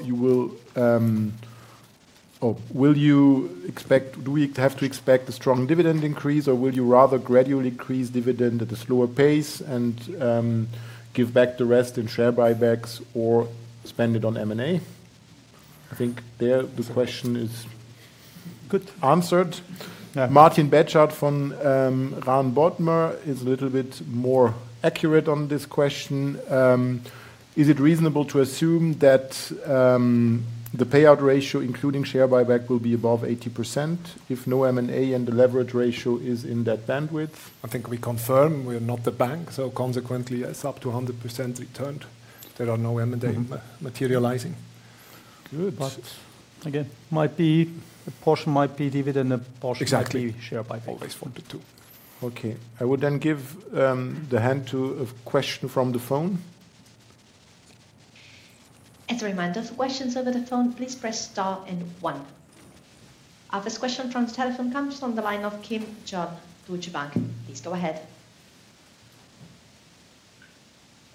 will you expect do we have to expect a strong dividend increase, or will you rather gradually increase dividend at a slower pace and give back the rest in share buybacks or spend it on M&A? I think there the question is answered. Martin Betschart from Rahn+Bodmer is a little bit more accurate on this question. Is it reasonable to assume that the payout ratio, including share buyback, will be above 80% if no M&A and the leverage ratio is in that bandwidth? I think we confirm we are not the bank. So consequently, it's up to 100% returned. There are no M&A materializing. Good. But again, a portion might be dividend, a portion might be share buyback. Exactly. Always 1 to 2. Okay. I would then give the hand to a question from the phone. As a reminder for questions over the phone, please press star and one. Our first question from the telephone comes from the line of John Kim, Deutsche Bank. Please go ahead.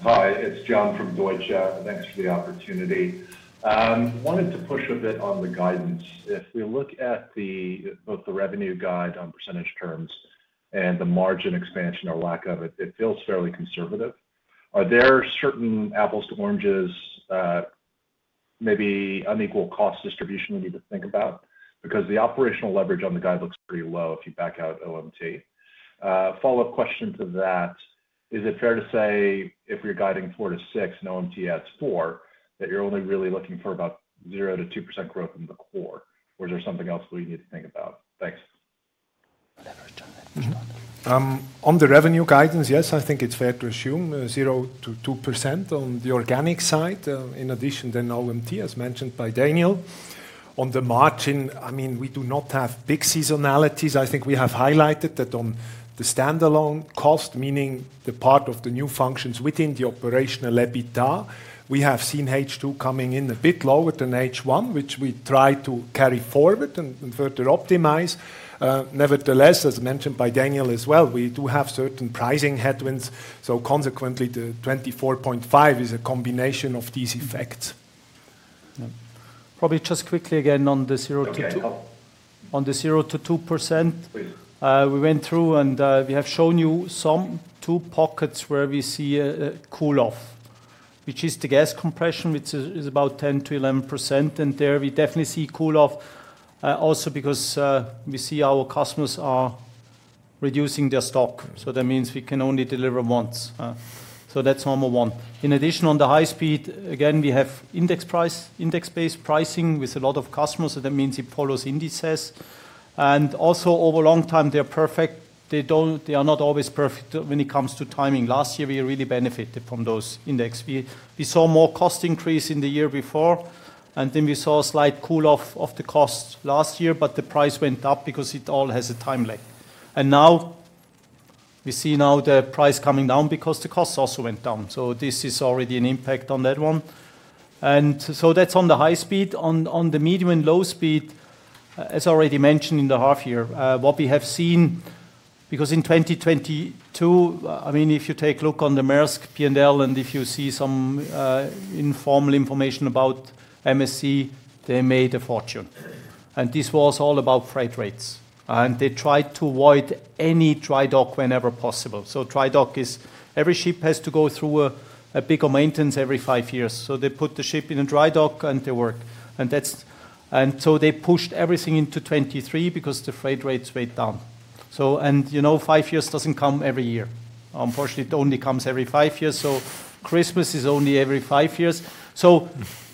Hi. It's John from Deutsche. Thanks for the opportunity. Wanted to push a bit on the guidance. If we look at both the revenue guide on percentage terms and the margin expansion or lack of it, it feels fairly conservative. Are there certain apples to oranges, maybe unequal cost distribution we need to think about because the operational leverage on the guide looks pretty low if you back out OMT? Follow-up question to that. Is it fair to say if we're guiding 4-6 and OMT adds 4, that you're only really looking for about 0-2% growth in the core, or is there something else we need to think about? Thanks. That was John. That was John. On the revenue guidance, yes, I think it's fair to assume 0-2% on the organic side in addition to OMT, as mentioned by Daniel. On the margin, I mean, we do not have big seasonalities. I think we have highlighted that on the standalone cost, meaning the part of the new functions within the Operational EBITA, we have seen H2 coming in a bit lower than H1, which we try to carry forward and further optimize. Nevertheless, as mentioned by Daniel as well, we do have certain pricing headwinds. So consequently, the 24.5 is a combination of these effects. Probably just quickly again on the 0%-2%. We went through, and we have shown you some two pockets where we see a cool-off, which is the gas compression, which is about 10%-11%. And there we definitely see cool-off also because we see our customers are reducing their stock. So that means we can only deliver once. So that's number one. In addition, on the high-speed, again, we have index-based pricing with a lot of customers. So that means it follows indices. And also, over a long time, they are perfect. They are not always perfect when it comes to timing. Last year, we really benefited from those index. We saw more cost increase in the year before, and then we saw a slight cool-off of the cost last year, but the price went up because it all has a time lag. And now we see now the price coming down because the cost also went down. So this is already an impact on that one. And so that's on the high speed. On the medium and low speed, as already mentioned in the half year, what we have seen because in 2022, I mean, if you take a look on the Maersk P&L and if you see some informal information about MSC, they made a fortune. And this was all about freight rates. And they tried to avoid any dry dock whenever possible. So dry dock is every ship has to go through a bigger maintenance every five years. So they put the ship in a dry dock, and they work. And so they pushed everything into 2023 because the freight rates went down. And five years doesn't come every year. Unfortunately, it only comes every five years. So Christmas is only every five years.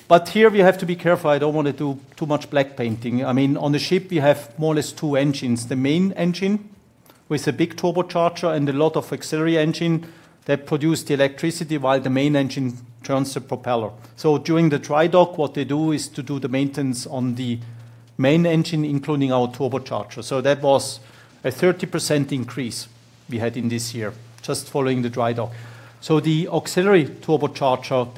But here we have to be careful. I don't want to do too much black painting. I mean, on the ship, we have more or less two engines. The main engine with a big turbocharger and a lot of auxiliary engine that produce the electricity while the main engine turns the propeller. So during the dry dock, what they do is to do the maintenance on the main engine, including our turbocharger. So that was a 30% increase we had in this year just following the dry dock. So the auxiliary turbocharger,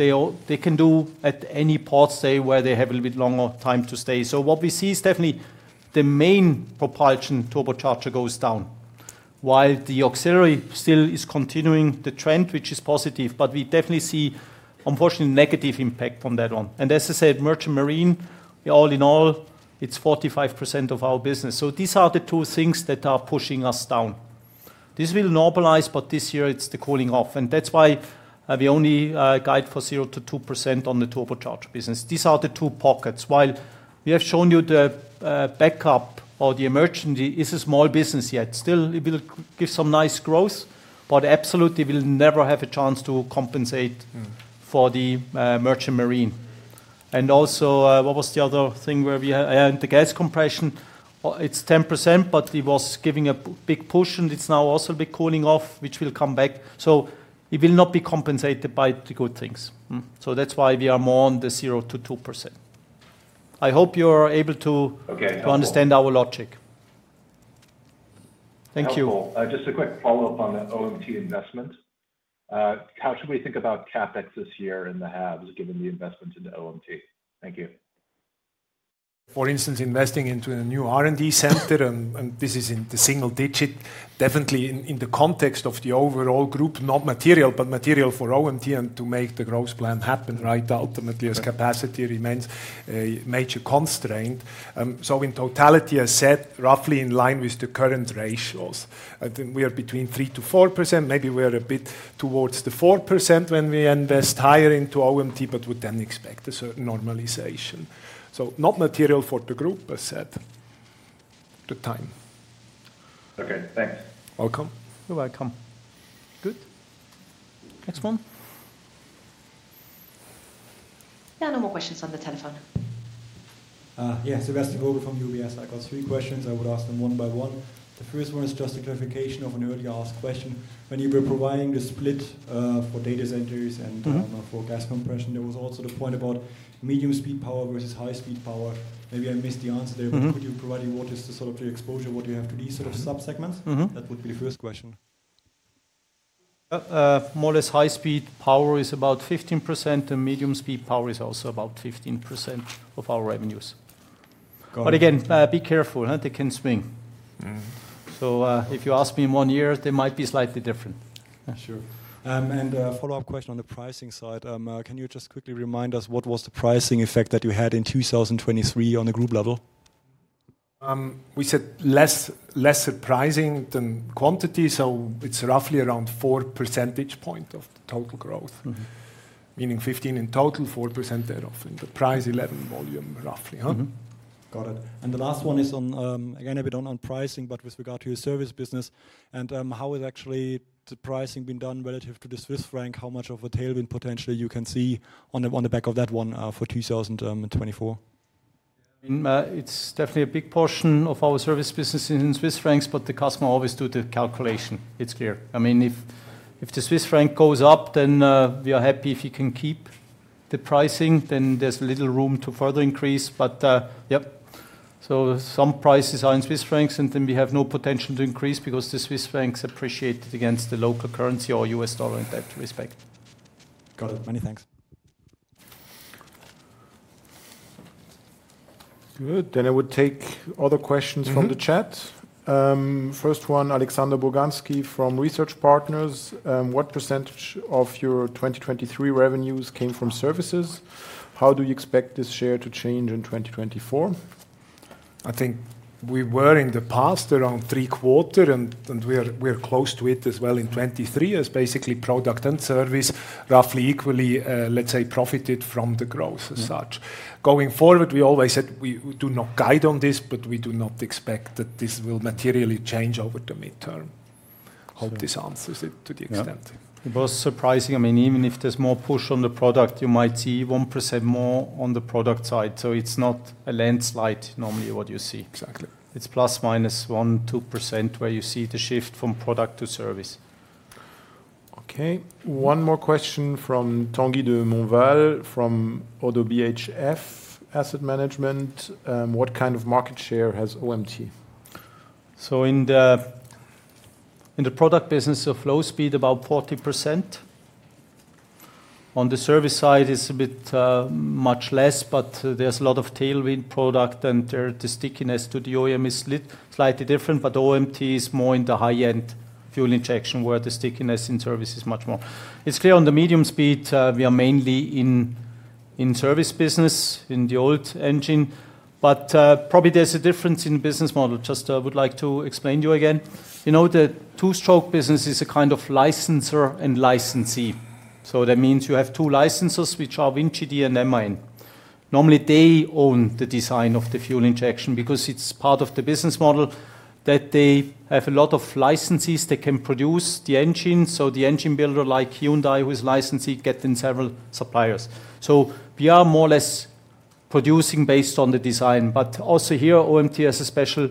they can do at any ports where they have a little bit longer time to stay. So what we see is definitely the main propulsion turbocharger goes down while the auxiliary still is continuing the trend, which is positive. But we definitely see, unfortunately, negative impact on that one. And as I said, merchant marine, all in all, it's 45% of our business. So these are the two things that are pushing us down. This will normalize, but this year, it's the cooling off. And that's why we only guide for 0%-2% on the turbocharger business. These are the two pockets. While we have shown you the backup or the emergency, it's a small business yet. Still, it will give some nice growth, but absolutely, it will never have a chance to compensate for the merchant marine. And also, what was the other thing where we had the gas compression? It's 10%, but it was giving a big push, and it's now also a bit cooling off, which will come back. So it will not be compensated by the good things. So that's why we are more on the 0%-2%. I hope you are able to understand our logic. Thank you. Just a quick follow-up on the OMT investment. How should we think about CapEx this year and the halves given the investment into OMT? Thank you. For instance, investing into a new R&D center, and this is in the single digit, definitely in the context of the overall group, not material, but material for OMT and to make the growth plan happen right ultimately as capacity remains a major constraint. So in totality, as said, roughly in line with the current ratios, we are between 3%-4%. Maybe we are a bit towards the 4% when we invest higher into OMT, but would then expect a certain normalization. So not material for the group, as said, the time. Okay. Thanks. Welcome. You're welcome. Good. Next one. Yeah. No more questions on the telephone. Yeah. Sebastian Vogel from UBS. I got three questions. I would ask them one by one. The first one is just a clarification of an earlier asked question. When you were providing the split for data centers and for gas compression, there was also the point about medium speed power versus high speed power. Maybe I missed the answer there, but could you provide what is sort of the exposure, what do you have to these sort of subsegments? That would be the first question. More or less, high speed power is about 15%, and medium speed power is also about 15% of our revenues. But again, be careful. They can swing. So if you ask me in one year, they might be slightly different. Sure. And follow-up question on the pricing side. Can you just quickly remind us what was the pricing effect that you had in 2023 on the group level? We said lesser pricing than quantity. So it's roughly around 4 percentage point of total growth, meaning 15 in total, 4% thereof, and the price 11 volume, roughly. Got it. And the last one is on, again, a bit on pricing, but with regard to your service business. And how has actually the pricing been done relative to the Swiss franc, how much of a tailwind potentially you can see on the back of that one for 2024? Yeah. I mean, it's definitely a big portion of our service business in Swiss francs, but the customer always do the calculation. It's clear. I mean, if the Swiss franc goes up, then we are happy. If you can keep the pricing, then there's a little room to further increase. But yep. So some prices are in Swiss francs, and then we have no potential to increase because the Swiss francs appreciate against the local currency or US dollar in that respect. Got it. Many thanks. Good. Then I would take other questions from the chat. First one, Alexander Boganski from Research Partners. What percentage of your 2023 revenues came from services? How do you expect this share to change in 2024? I think we were in the past around three-quarters, and we are close to it as well in 2023 as basically product and service roughly equally, let's say, profited from the growth as such. Going forward, we always said we do not guide on this, but we do not expect that this will materially change over the midterm. Hope this answers it to the extent. It was surprising. I mean, even if there's more push on the product, you might see 1% more on the product side. So it's not a landslide normally what you see. It's ±1% to 2% where you see the shift from product to service. Okay. One more question from Tanguy de Montvalon from Oddo BHF Asset Management. What kind of market share has OMT? So in the product business of low speed, about 40%. On the service side, it's a bit much less, but there's a lot of tailwind product, and the stickiness to the OEM is slightly different. But OMT is more in the high-end fuel injection where the stickiness in service is much more. It's clear on the medium speed, we are mainly in service business in the old engine. But probably there's a difference in the business model. Just I would like to explain to you again. The two-stroke business is a kind of licensor and licensee. So that means you have two licensors, which are WinGD and MAN. Normally, they own the design of the fuel injection because it's part of the business model that they have a lot of licensees that can produce the engine. So the engine builder like Hyundai, who is licensee, gets in several suppliers. So we are more or less producing based on the design. But also here, OMT has a special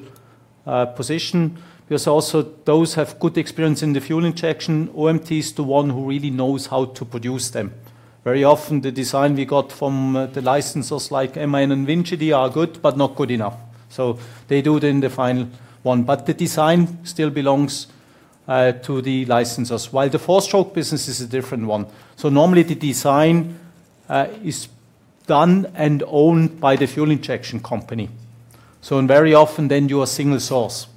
position because also those have good experience in the fuel injection. OMT is the one who really knows how to produce them. Very often, the design we got from the licensors like MAN and WinGD are good, but not good enough. So they do it in the final one. But the design still belongs to the licensors, while the four-stroke business is a different one. So normally, the design is done and owned by the fuel injection company. So very often, then you are single source.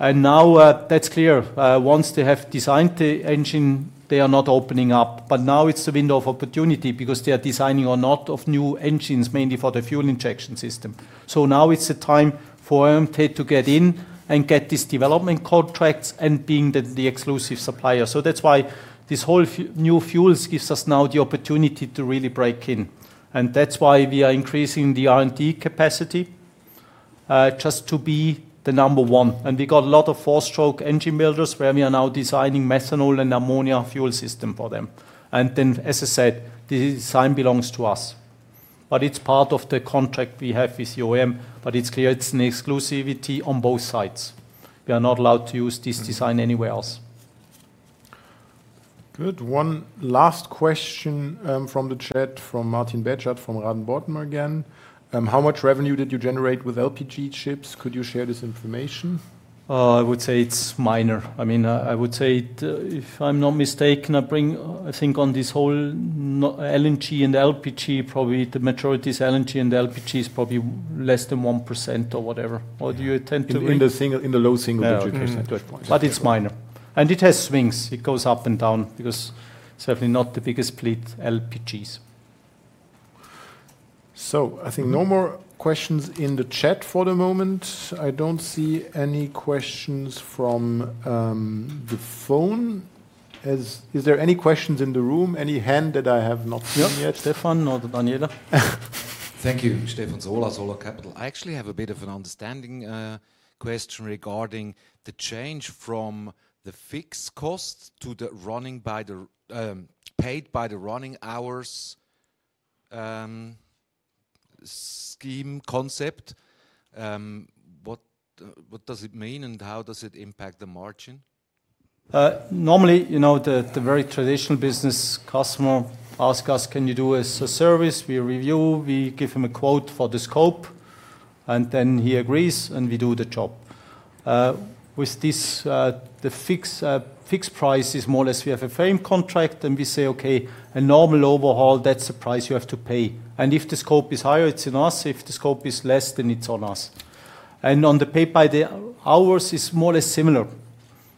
And now that's clear. Once they have designed the engine, they are not opening up. But now it's a window of opportunity because they are designing or not of new engines, mainly for the fuel injection system. So now it's the time for OMT to get in and get these development contracts and being the exclusive supplier. So that's why this whole new fuels gives us now the opportunity to really break in. And that's why we are increasing the R&D capacity just to be the number one. And we got a lot of four-stroke engine builders where we are now designing methanol and ammonia fuel system for them. And then, as I said, the design belongs to us. But it's part of the contract we have with OMT. But it's clear it's an exclusivity on both sides. We are not allowed to use this design anywhere else. Good, one last question from the chat from Martin Betschart from Rahn+Bodmer again. How much revenue did you generate with LPG ships? Could you share this information? I would say it's minor. I mean, I would say if I'm not mistaken, I think on this whole LNG and LPG, probably the majority is LNG, and the LPG is probably less than 1% or whatever. Or do you tend to be? In the low single digit, yes. But it's minor. And it has swings. It goes up and down because it's definitely not the biggest split, LPGs. So I think no more questions in the chat for the moment. I don't see any questions from the phone. Is there any questions in the room, any hand that I have not seen yet? Yes. Stephan or Daniela? Thank you, Stephan Sola, Sola Capital. I actually have a bit of an understanding question regarding the change from the fixed cost to the paid by the running hours scheme concept. What does it mean, and how does it impact the margin? Normally, the very traditional business customer asks us, "Can you do us a service?" We review. We give him a quote for the scope, and then he agrees, and we do the job. With this, the fixed price is more or less we have a frame contract, and we say, "Okay. A normal overhaul, that's the price you have to pay." And if the scope is higher, it's on us. If the scope is less, then it's on us. And on the paid by the hours, it's more or less similar.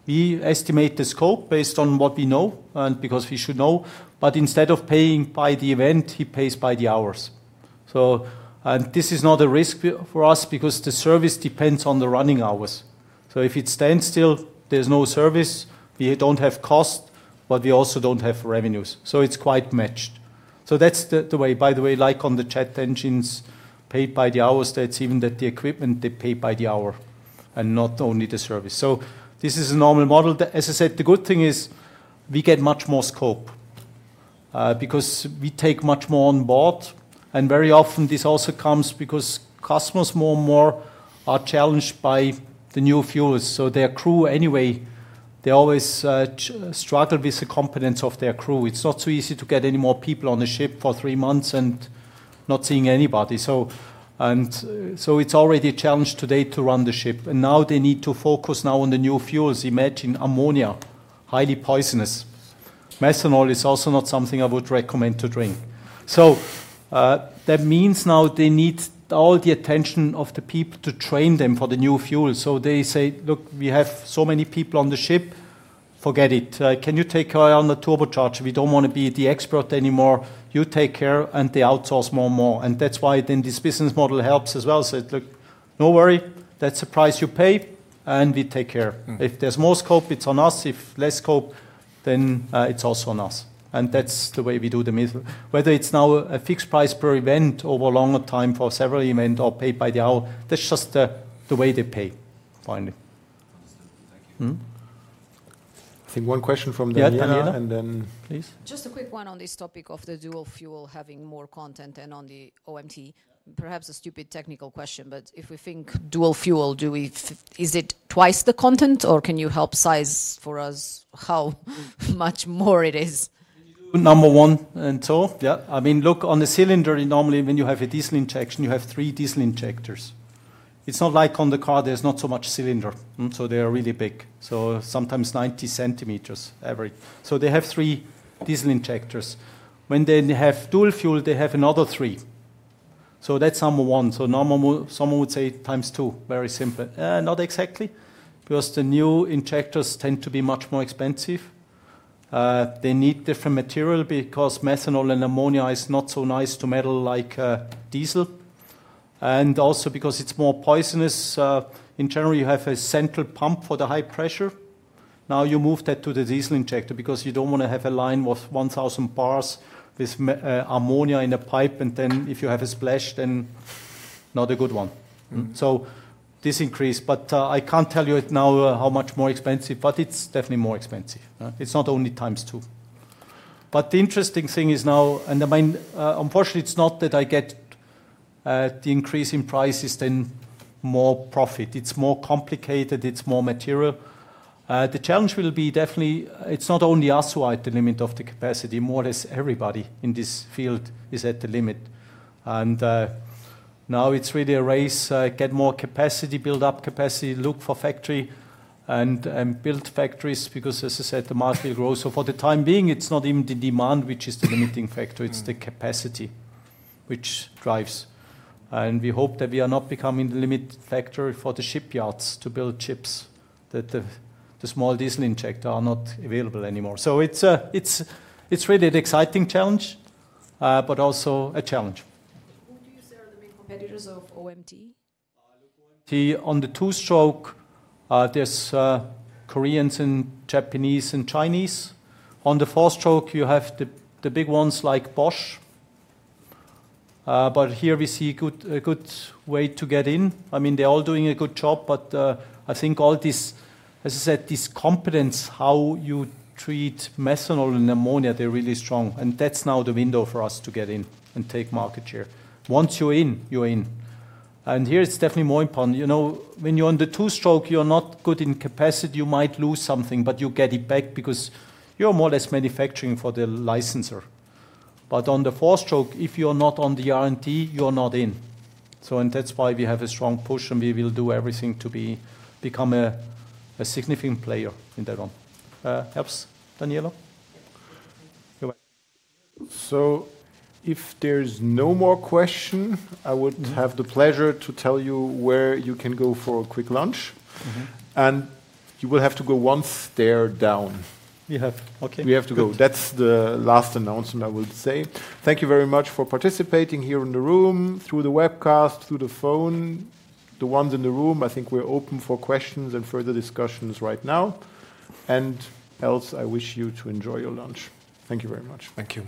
We estimate the scope based on what we know and because we should know. But instead of paying by the event, he pays by the hours. And this is not a risk for us because the service depends on the running hours. So if it stands still, there's no service. We don't have cost, but we also don't have revenues. So it's quite matched. So that's the way. By the way, like on the gas engines, paid by the hours, that's even the equipment, they pay by the hour and not only the service. So this is a normal model. As I said, the good thing is we get much more scope because we take much more on board. And very often, this also comes because customers more and more are challenged by the new fuels. So their crew anyway, they always struggle with the competence of their crew. It's not so easy to get any more people on a ship for three months and not seeing anybody. And so it's already a challenge today to run the ship. And now they need to focus now on the new fuels. Imagine ammonia, highly poisonous. Methanol is also not something I would recommend to drink. So that means now they need all the attention of the people to train them for the new fuel. So they say, "Look, we have so many people on the ship. Forget it. Can you take care on the turbocharger? We don't want to be the expert anymore. You take care," and they outsource more and more. And that's why then this business model helps as well. So it's like, "No worry. That's the price you pay, and we take care. If there's more scope, it's on us. If less scope, then it's also on us." That's the way we do the method, whether it's now a fixed price per event over a longer time for several events or paid by the hour. That's just the way they pay, finally. Understood. Thank you. I think one question from Daniela, and then please. Just a quick one on this topic of the dual fuel having more content than on the OMT. Perhaps a stupid technical question, but if we think dual fuel, is it twice the content, or can you help size for us how much more it is? When you do number one and so, yeah. I mean, look, on the cylinder, normally, when you have a diesel injection, you have three diesel injectors. It's not like on the car. There's not so much cylinder. So they are really big. So sometimes 90 cm average. So they have three diesel injectors. When they have dual fuel, they have another three. So that's number one. So someone would say times two, very simple. Not exactly because the new injectors tend to be much more expensive. They need different material because methanol and ammonia is not so nice to metal like diesel and also because it's more poisonous. In general, you have a central pump for the high pressure. Now you move that to the diesel injector because you don't want to have a line of 1,000 bars with ammonia in a pipe. And then if you have a splash, then not a good one. So this increases. But I can't tell you now how much more expensive, but it's definitely more expensive. It's not only times two. The interesting thing is now, and unfortunately, it's not that I get the increase in prices than more profit. It's more complicated. It's more material. The challenge will be definitely it's not only us who are at the limit of the capacity. More or less, everybody in this field is at the limit. Now it's really a race, get more capacity, build up capacity, look for factory, and build factories because, as I said, the market will grow. For the time being, it's not even the demand, which is the limiting factor. It's the capacity, which drives. We hope that we are not becoming the limit factor for the shipyards to build ships, that the small diesel injectors are not available anymore. So it's really an exciting challenge but also a challenge. Who do you say are the main competitors of OMT? Look, OMT, on the two-stroke, there's Koreans and Japanese and Chinese. On the four-stroke, you have the big ones like Bosch. But here we see a good way to get in. I mean, they're all doing a good job. But I think all this, as I said, this competence, how you treat methanol and ammonia, they're really strong. And that's now the window for us to get in and take market share. Once you're in, you're in. And here it's definitely more important. When you're on the two-stroke, you're not good in capacity. You might lose something, but you get it back because you're more or less manufacturing for the licensor. But on the four-stroke, if you're not on the R&D, you're not in. And that's why we have a strong push, and we will do everything to become a significant player in that one. Helps, Daniela? Go ahead. So if there's no more question, I would have the pleasure to tell you where you can go for a quick lunch. You will have to go once there down. Okay. We have to go. That's the last announcement, I would say. Thank you very much for participating here in the room, through the webcast, through the phone. The ones in the room, I think we're open for questions and further discussions right now. Else, I wish you to enjoy your lunch. Thank you very much. Thank you.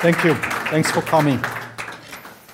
Thank you. Thanks for coming.